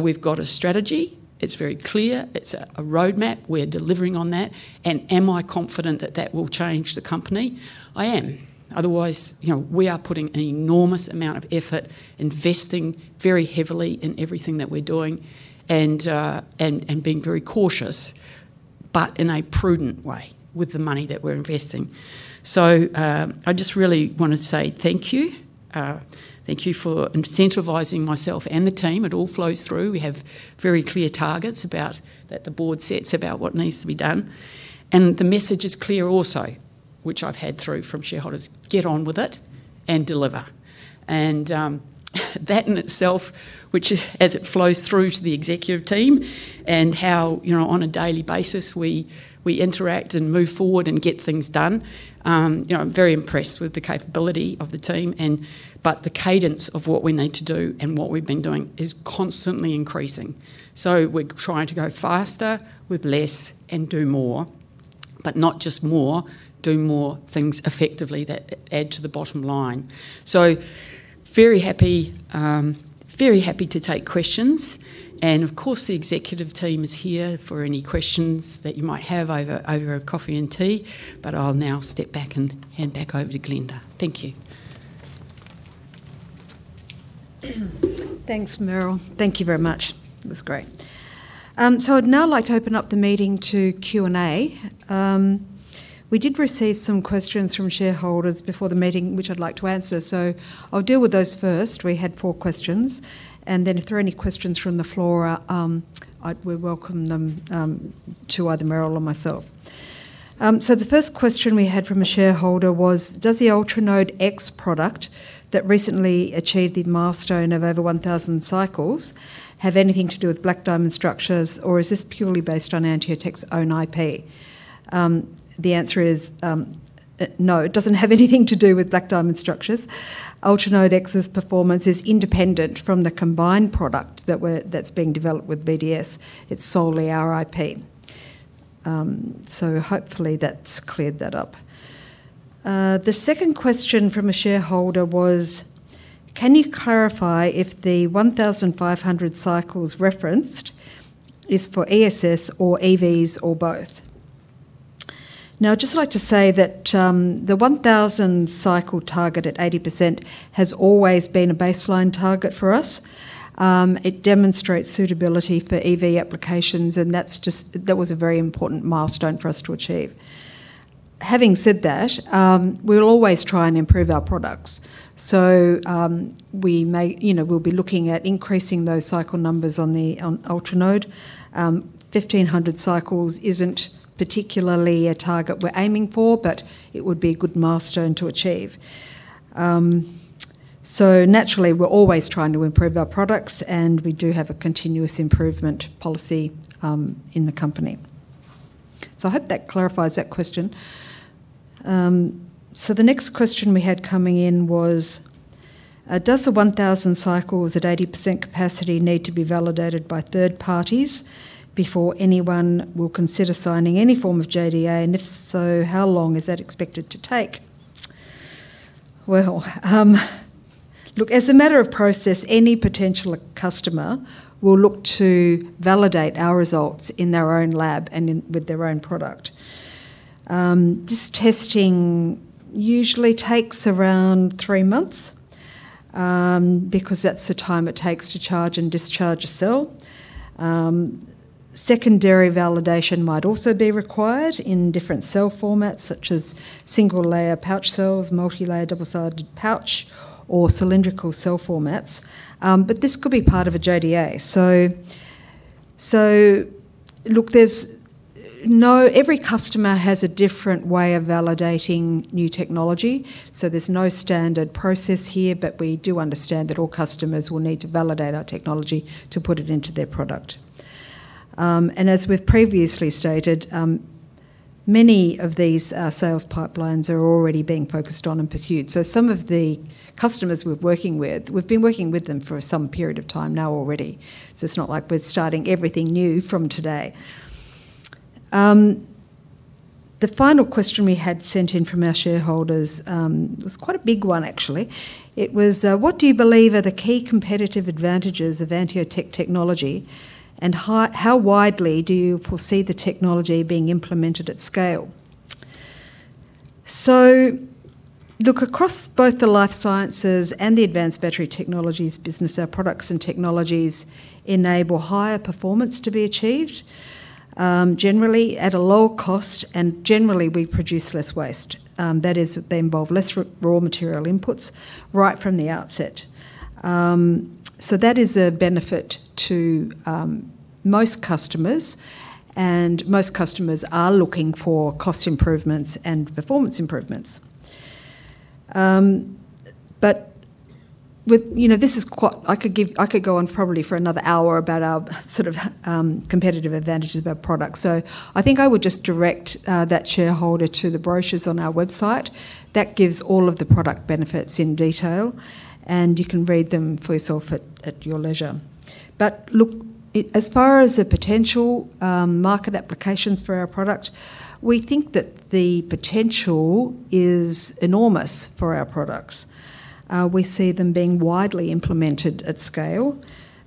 We've got a strategy. It's very clear. It's a roadmap. We're delivering on that. Am I confident that that will change the company? I am. Otherwise, we are putting an enormous amount of effort, investing very heavily in everything that we're doing and being very cautious, but in a prudent way with the money that we're investing. I just really want to say thank you. Thank you for incentivizing myself and the team. It all flows through. We have very clear targets that the board sets about what needs to be done. The message is clear also, which I've had through from shareholders, get on with it and deliver. That in itself, which as it flows through to the executive team and how on a daily basis we interact and move forward and get things done. I'm very impressed with the capability of the team, but the cadence of what we need to do and what we've been doing is constantly increasing. We're trying to go faster with less and do more, not just more, do more things effectively that add to the bottom line. Very happy to take questions. Of course, the executive team is here for any questions that you might have over a coffee and tea. I'll now step back and hand back over to Glenda. Thank you. Thanks, Merrill. Thank you very much. It was great. I'd now like to open up the meeting to Q&A. We did receive some questions from shareholders before the meeting, which I'd like to answer. I'll deal with those first. We had four questions. If there are any questions from the floor, we welcome them to either Merrill or myself. The first question we had from a shareholder was, does the UltraNode X product that recently achieved the milestone of over 1,000 cycles have anything to do with Black Diamond Structures, or is this purely based on AnteoTech's own IP? The answer is no. It doesn't have anything to do with Black Diamond Structures. UltraNode X's performance is independent from the combined product that's being developed with BDS. It's solely our IP. Hopefully that's cleared that up. The second question from a shareholder was, can you clarify if the 1,500 cycles referenced is for ESS or EVs or both? Now, I'd just like to say that the 1,000-cycle target at 80% has always been a baseline target for us. It demonstrates suitability for EV applications, and that was a very important milestone for us to achieve. Having said that, we will always try and improve our products. We will be looking at increasing those cycle numbers on UltraNode. 1,500 cycles is not particularly a target we're aiming for, but it would be a good milestone to achieve. Naturally, we are always trying to improve our products, and we do have a continuous improvement policy in the company. I hope that clarifies that question. The next question we had coming in was, does the 1,000 cycles at 80% capacity need to be validated by third parties before anyone will consider signing any form of JDA? If so, how long is that expected to take? Look, as a matter of process, any potential customer will look to validate our results in their own lab and with their own product. This testing usually takes around three months because that is the time it takes to charge and discharge a cell. Secondary validation might also be required in different cell formats, such as single-layer pouch cells, multi-layer double-sided pouch, or cylindrical cell formats. This could be part of a JDA. Every customer has a different way of validating new technology. There is no standard process here, but we do understand that all customers will need to validate our technology to put it into their product. As we have previously stated, many of these sales pipelines are already being focused on and pursued. Some of the customers we are working with, we have been working with them for some period of time now already. It is not like we are starting everything new from today. The final question we had sent in from our shareholders was quite a big one, actually. It was, what do you believe are the key competitive advantages of AnteoTech technology, and how widely do you foresee the technology being implemented at scale? Across both the life sciences and the advanced battery technologies business, our products and technologies enable higher performance to be achieved generally at a lower cost, and generally, we produce less waste. That is, they involve less raw material inputs right from the outset. That is a benefit to most customers, and most customers are looking for cost improvements and performance improvements. This is quite I could go on probably for another hour about our sort of competitive advantages of our product. I think I would just direct that shareholder to the brochures on our website. That gives all of the product benefits in detail, and you can read them for yourself at your leisure. Look, as far as the potential market applications for our product, we think that the potential is enormous for our products. We see them being widely implemented at scale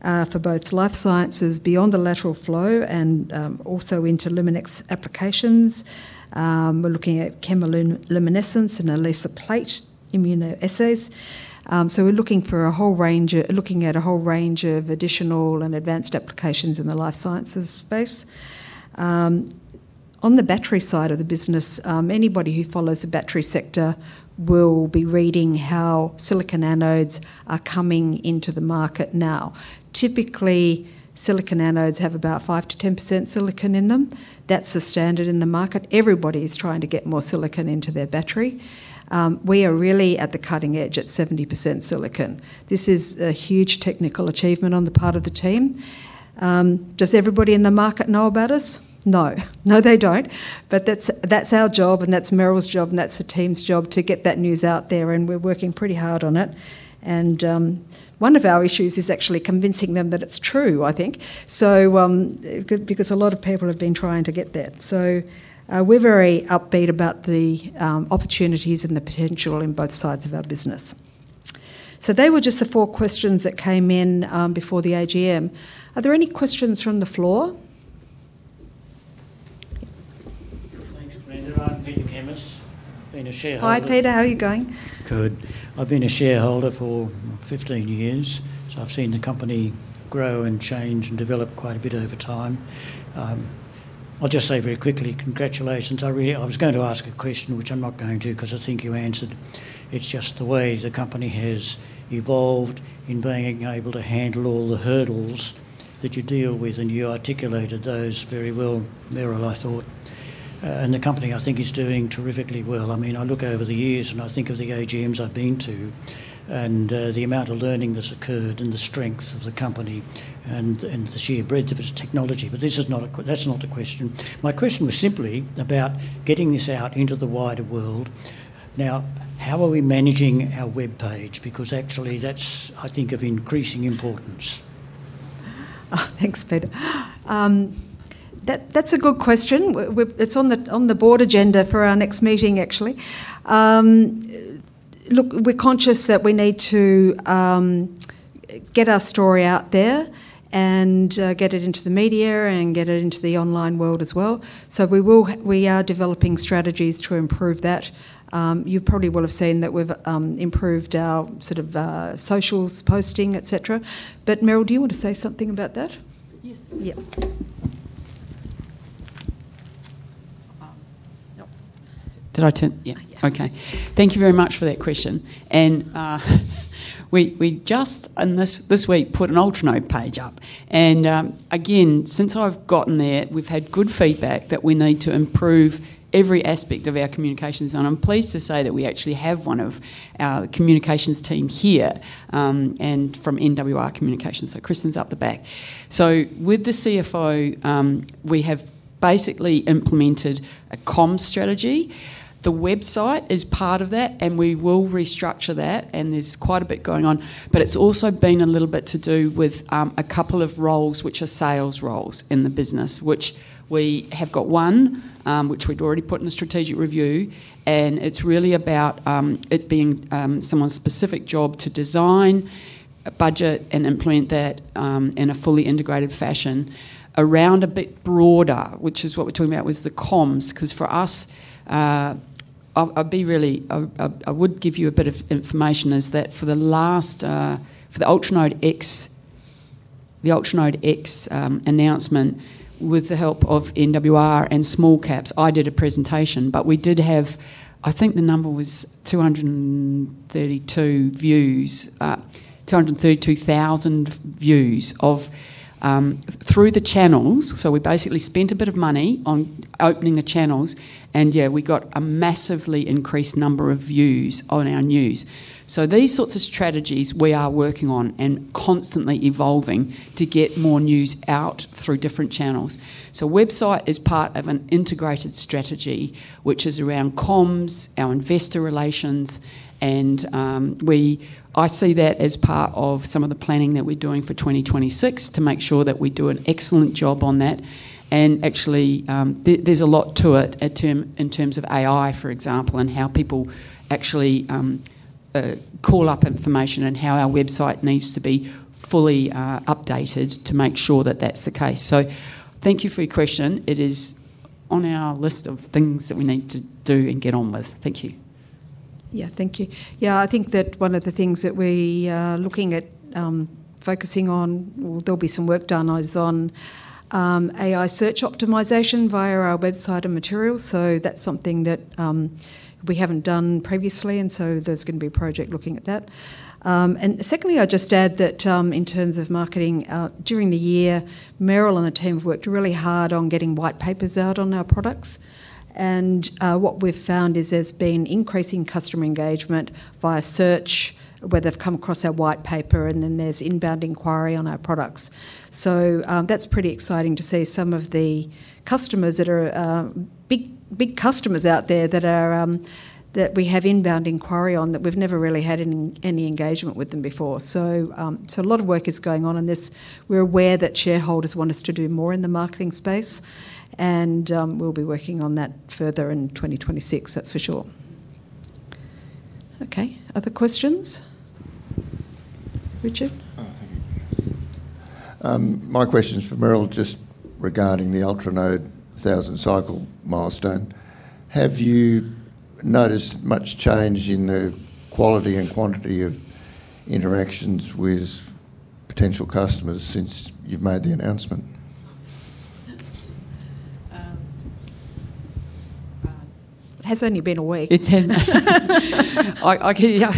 for both life sciences beyond the lateral flow and also into Luminex applications. We are looking at chemiluminescence and ELISA plate immunoassays. We're looking at a whole range of additional and advanced applications in the life sciences space. On the battery side of the business, anybody who follows the battery sector will be reading how silicon anodes are coming into the market now. Typically, silicon anodes have about 5%-10% silicon in them. That's the standard in the market. Everybody is trying to get more silicon into their battery. We are really at the cutting edge at 70% silicon. This is a huge technical achievement on the part of the team. Does everybody in the market know about us? No. No, they don't. That's our job, and that's Merrill's job, and that's the team's job to get that news out there. We're working pretty hard on it. One of our issues is actually convincing them that it's true, I think, because a lot of people have been trying to get that. We are very upbeat about the opportunities and the potential in both sides of our business. They were just the four questions that came in before the AGM. Are there any questions from the floor? Thanks, Glenda. I'm Peter Kemmis. I've been a shareholder. Hi, Peter. How are you going? Good. I've been a shareholder for 15 years. I’ve seen the company grow and change and develop quite a bit over time. I'll just say very quickly, congratulations. I was going to ask a question, which I'm not going to because I think you answered. It's just the way the company has evolved in being able to handle all the hurdles that you deal with, and you articulated those very well, Merrill, I thought. The company, I think, is doing terrifically well. I mean, I look over the years, and I think of the AGMs I've been to and the amount of learning that's occurred and the strength of the company and the sheer breadth of its technology. That's not the question. My question was simply about getting this out into the wider world. Now, how are we managing our web page? Because actually, that's, I think, of increasing importance. Thanks, Peter. That's a good question. It's on the board agenda for our next meeting, actually. Look, we're conscious that we need to get our story out there and get it into the media and get it into the online world as well. We are developing strategies to improve that. You probably will have seen that we've improved our sort of socials posting, etc. But Merrill, do you want to say something about that? Yes. Yes. Did I turn? Yeah. Okay. Thank you very much for that question. We just, this week, put an UltraNode page up. Again, since I've gotten there, we've had good feedback that we need to improve every aspect of our communications on. I'm pleased to say that we actually have one of our communications team here from NWR Communications. Kristen's up the back. With the CFO, we have basically implemented a comms strategy. The website is part of that, and we will restructure that, and there's quite a bit going on. It's also been a little bit to do with a couple of roles, which are sales roles in the business, which we have got one, which we'd already put in the strategic review. It is really about it being someone's specific job to design, budget, and implement that in a fully integrated fashion around a bit broader, which is what we are talking about with the comms. For us, I would give you a bit of information, for the UltraNode X, the UltraNode X announcement, with the help of NWR and Small Caps, I did a presentation. We did have, I think the number was 232,000 views through the channels. We basically spent a bit of money on opening the channels, and yeah, we got a massively increased number of views on our news. These sorts of strategies we are working on and constantly evolving to get more news out through different channels. The website is part of an integrated strategy, which is around comms, our investor relations, and I see that as part of some of the planning that we're doing for 2026 to make sure that we do an excellent job on that. Actually, there's a lot to it in terms of AI, for example, and how people actually call up information and how our website needs to be fully updated to make sure that that's the case. Thank you for your question. It is on our list of things that we need to do and get on with. Thank you. Yeah, thank you. Yeah, I think that one of the things that we are looking at focusing on, there'll be some work done is on AI search optimization via our website and materials. That's something that we haven't done previously, and there's going to be a project looking at that. Secondly, I'll just add that in terms of marketing, during the year, Merrill and the team have worked really hard on getting white papers out on our products. What we've found is there's been increasing customer engagement via search where they've come across our white paper, and then there's inbound inquiry on our products. That's pretty exciting to see some of the customers that are big customers out there that we have inbound inquiry on that we've never really had any engagement with them before. A lot of work is going on in this. We're aware that shareholders want us to do more in the marketing space, and we'll be working on that further in 2026, that's for sure. Okay, other questions? Richard? Oh, thank you. My question is for Merrill just regarding the UltraNode 1,000-cycle milestone. Have you noticed much change in the quality and quantity of interactions with potential customers since you've made the announcement? It has only been a week. It has.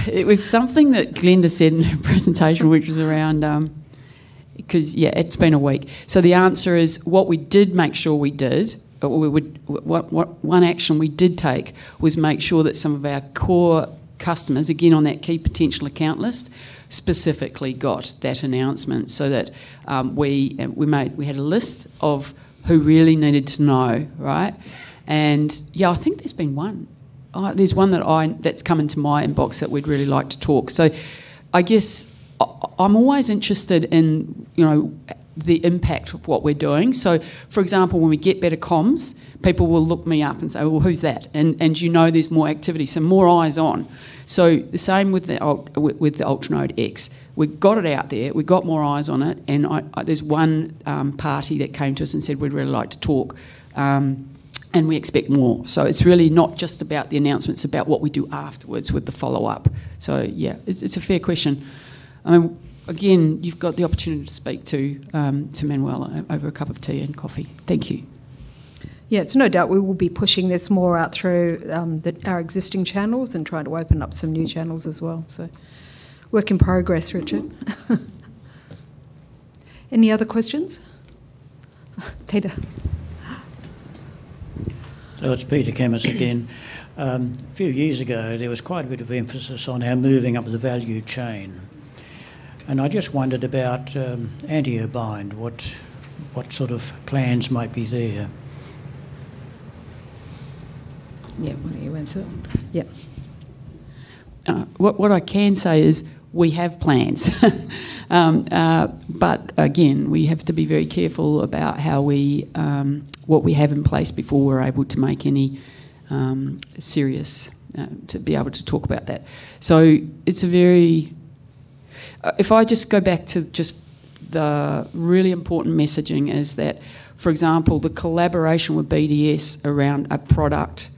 It was something that Glenda said in her presentation, which was around because, yeah, it's been a week. The answer is what we did make sure we did, one action we did take was make sure that some of our core customers, again, on that key potential account list, specifically got that announcement so that we had a list of who really needed to know, right? I think there's been one. There's one that's come into my inbox that we'd really like to talk. I guess I'm always interested in the impact of what we're doing. For example, when we get better comms, people will look me up and say, "Who's that?" You know there's more activity, so more eyes on. The same with the UltraNode X. We got it out there. We got more eyes on it. There is one party that came to us and said, "We'd really like to talk," and we expect more. It is really not just about the announcement. It is about what we do afterwards with the follow-up. Yeah, it is a fair question. I mean, again, you have the opportunity to speak to Manuel over a cup of tea and coffee. Thank you. Yeah, it's no doubt we will be pushing this more out through our existing channels and trying to open up some new channels as well. Work in progress, Richard. Any other questions? Peter. It's Peter Kemmis again. A few years ago, there was quite a bit of emphasis on our moving up the value chain. I just wondered about AnteoBind, what sort of plans might be there. Yeah, why don't you answer that one? Yeah. What I can say is we have plans. We have to be very careful about what we have in place before we're able to make any serious to be able to talk about that. It's a very, if I just go back to just the really important messaging, for example, the collaboration with BDS around our product,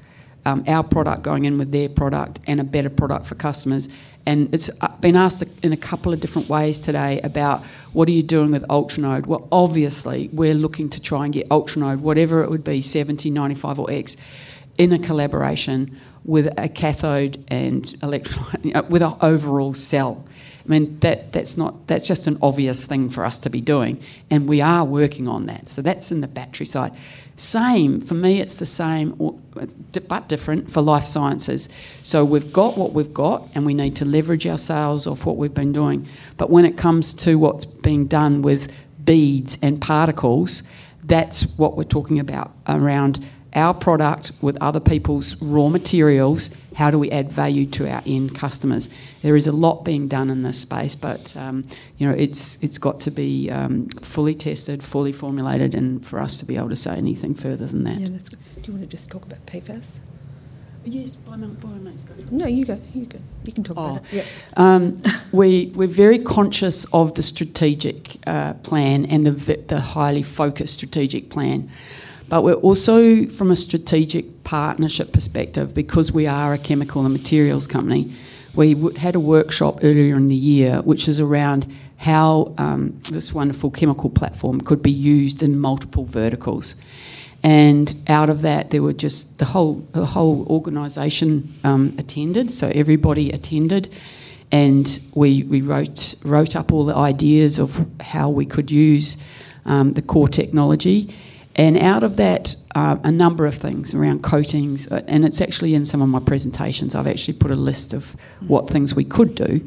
going in with their product and a better product for customers. I've been asked in a couple of different ways today about what are you doing with UltraNode. Obviously, we're looking to try and get UltraNode, whatever it would be, 70, 95, or X, in a collaboration with a cathode and with an overall cell. I mean, that's just an obvious thing for us to be doing. We are working on that. That is in the battery side. For me, it is the same, but different for life sciences. We have what we have, and we need to leverage ourselves off what we have been doing. When it comes to what is being done with beads and particles, that is what we are talking about around our product with other people's raw materials. How do we add value to our end customers? There is a lot being done in this space, but it has to be fully tested, fully formulated, for us to be able to say anything further than that. That is good. Do you want to just talk about PFAS? Yes, by month, by month. No, you go. You can talk about it. We're very conscious of the strategic plan and the highly focused strategic plan. We're also, from a strategic partnership perspective, because we are a chemical and materials company, we had a workshop earlier in the year, which is around how this wonderful chemical platform could be used in multiple verticals. Out of that, the whole organization attended, so everybody attended. We wrote up all the ideas of how we could use the core technology. Out of that, a number of things around coatings. It's actually in some of my presentations. I've actually put a list of what things we could do.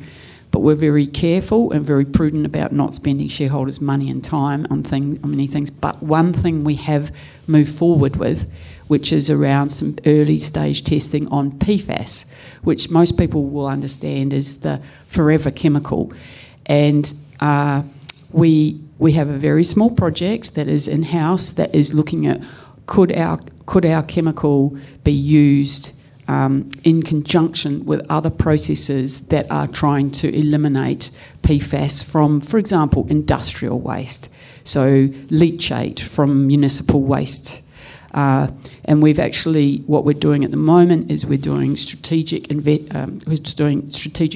We're very careful and very prudent about not spending shareholders' money and time on many things. One thing we have moved forward with, which is around some early-stage testing on PFAS, which most people will understand is the forever chemical. We have a very small project that is in-house that is looking at could our chemical be used in conjunction with other processes that are trying to eliminate PFAS from, for example, industrial waste, so leachate from municipal waste. What we're doing at the moment is we're doing strategic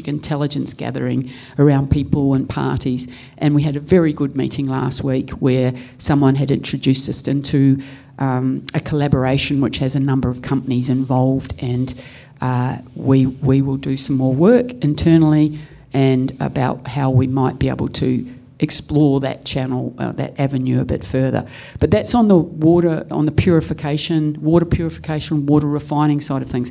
intelligence gathering around people and parties. We had a very good meeting last week where someone had introduced us into a collaboration which has a number of companies involved. We will do some more work internally and about how we might be able to explore that channel, that avenue a bit further. That is on the water purification, water refining side of things.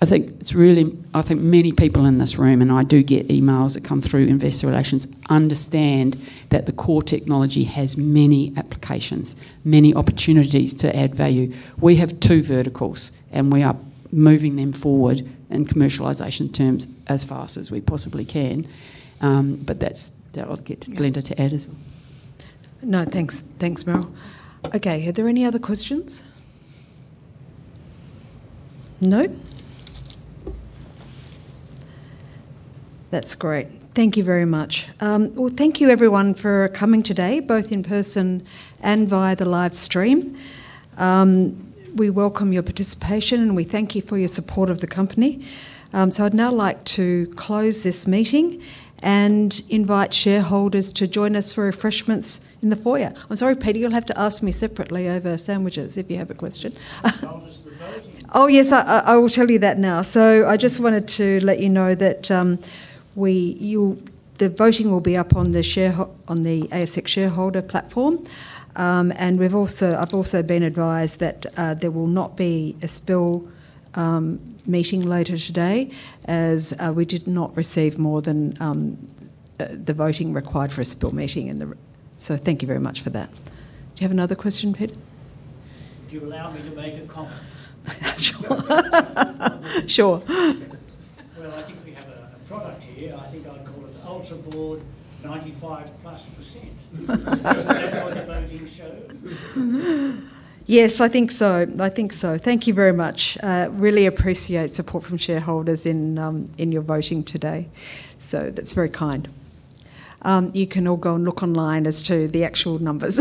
I think it's really, I think many people in this room, and I do get emails that come through investor relations, understand that the core technology has many applications, many opportunities to add value. We have two verticals, and we are moving them forward in commercialization terms as fast as we possibly can. That'll get to Glenda to add as well. No, thanks. Thanks, Merrill. Okay, are there any other questions? No? That's great. Thank you very much. Thank you, everyone, for coming today, both in person and via the live stream. We welcome your participation, and we thank you for your support of the company. I'd now like to close this meeting and invite shareholders to join us for refreshments in the foyer. I'm sorry, Peter, you'll have to ask me separately over sandwiches if you have a question. Yes, I will tell you that now. I just wanted to let you know that the voting will be up on the ASX shareholder platform. I have also been advised that there will not be a spill meeting later today as we did not receive more than the voting required for a spill meeting. Thank you very much for that. Do you have another question, Peter? Would you allow me to make a comment? Sure. I think we have a product here. I think I'd call it the UltraNode 95% plus. Is that what the voting show? Yes, I think so. I think so. Thank you very much. Really appreciate support from shareholders in your voting today. That is very kind. You can all go and look online as to the actual numbers.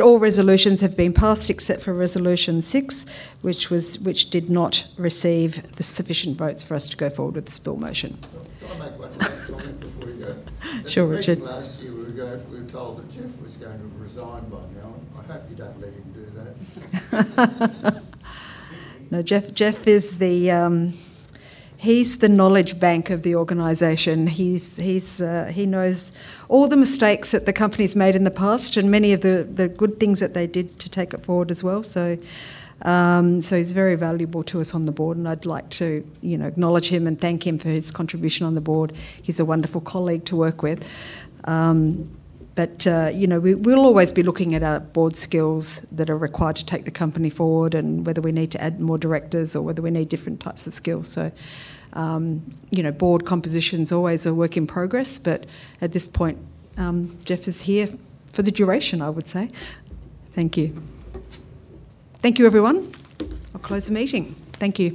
All resolutions have been passed except for resolution six, which did not receive the sufficient votes for us to go forward with the spill motion. I'll make one comment before you go. Sure, Richard. I think last year we were told that Jeff was going to resign by now. I hope you don't let him do that. No, Jeff is the knowledge bank of the organization. He knows all the mistakes that the company's made in the past and many of the good things that they did to take it forward as well. He is very valuable to us on the board, and I'd like to acknowledge him and thank him for his contribution on the board. He is a wonderful colleague to work with. We will always be looking at our board skills that are required to take the company forward and whether we need to add more directors or whether we need different types of skills. Board composition is always a work in progress. At this point, Jeff is here for the duration, I would say. Thank you. Thank you, everyone. I'll close the meeting. Thank you.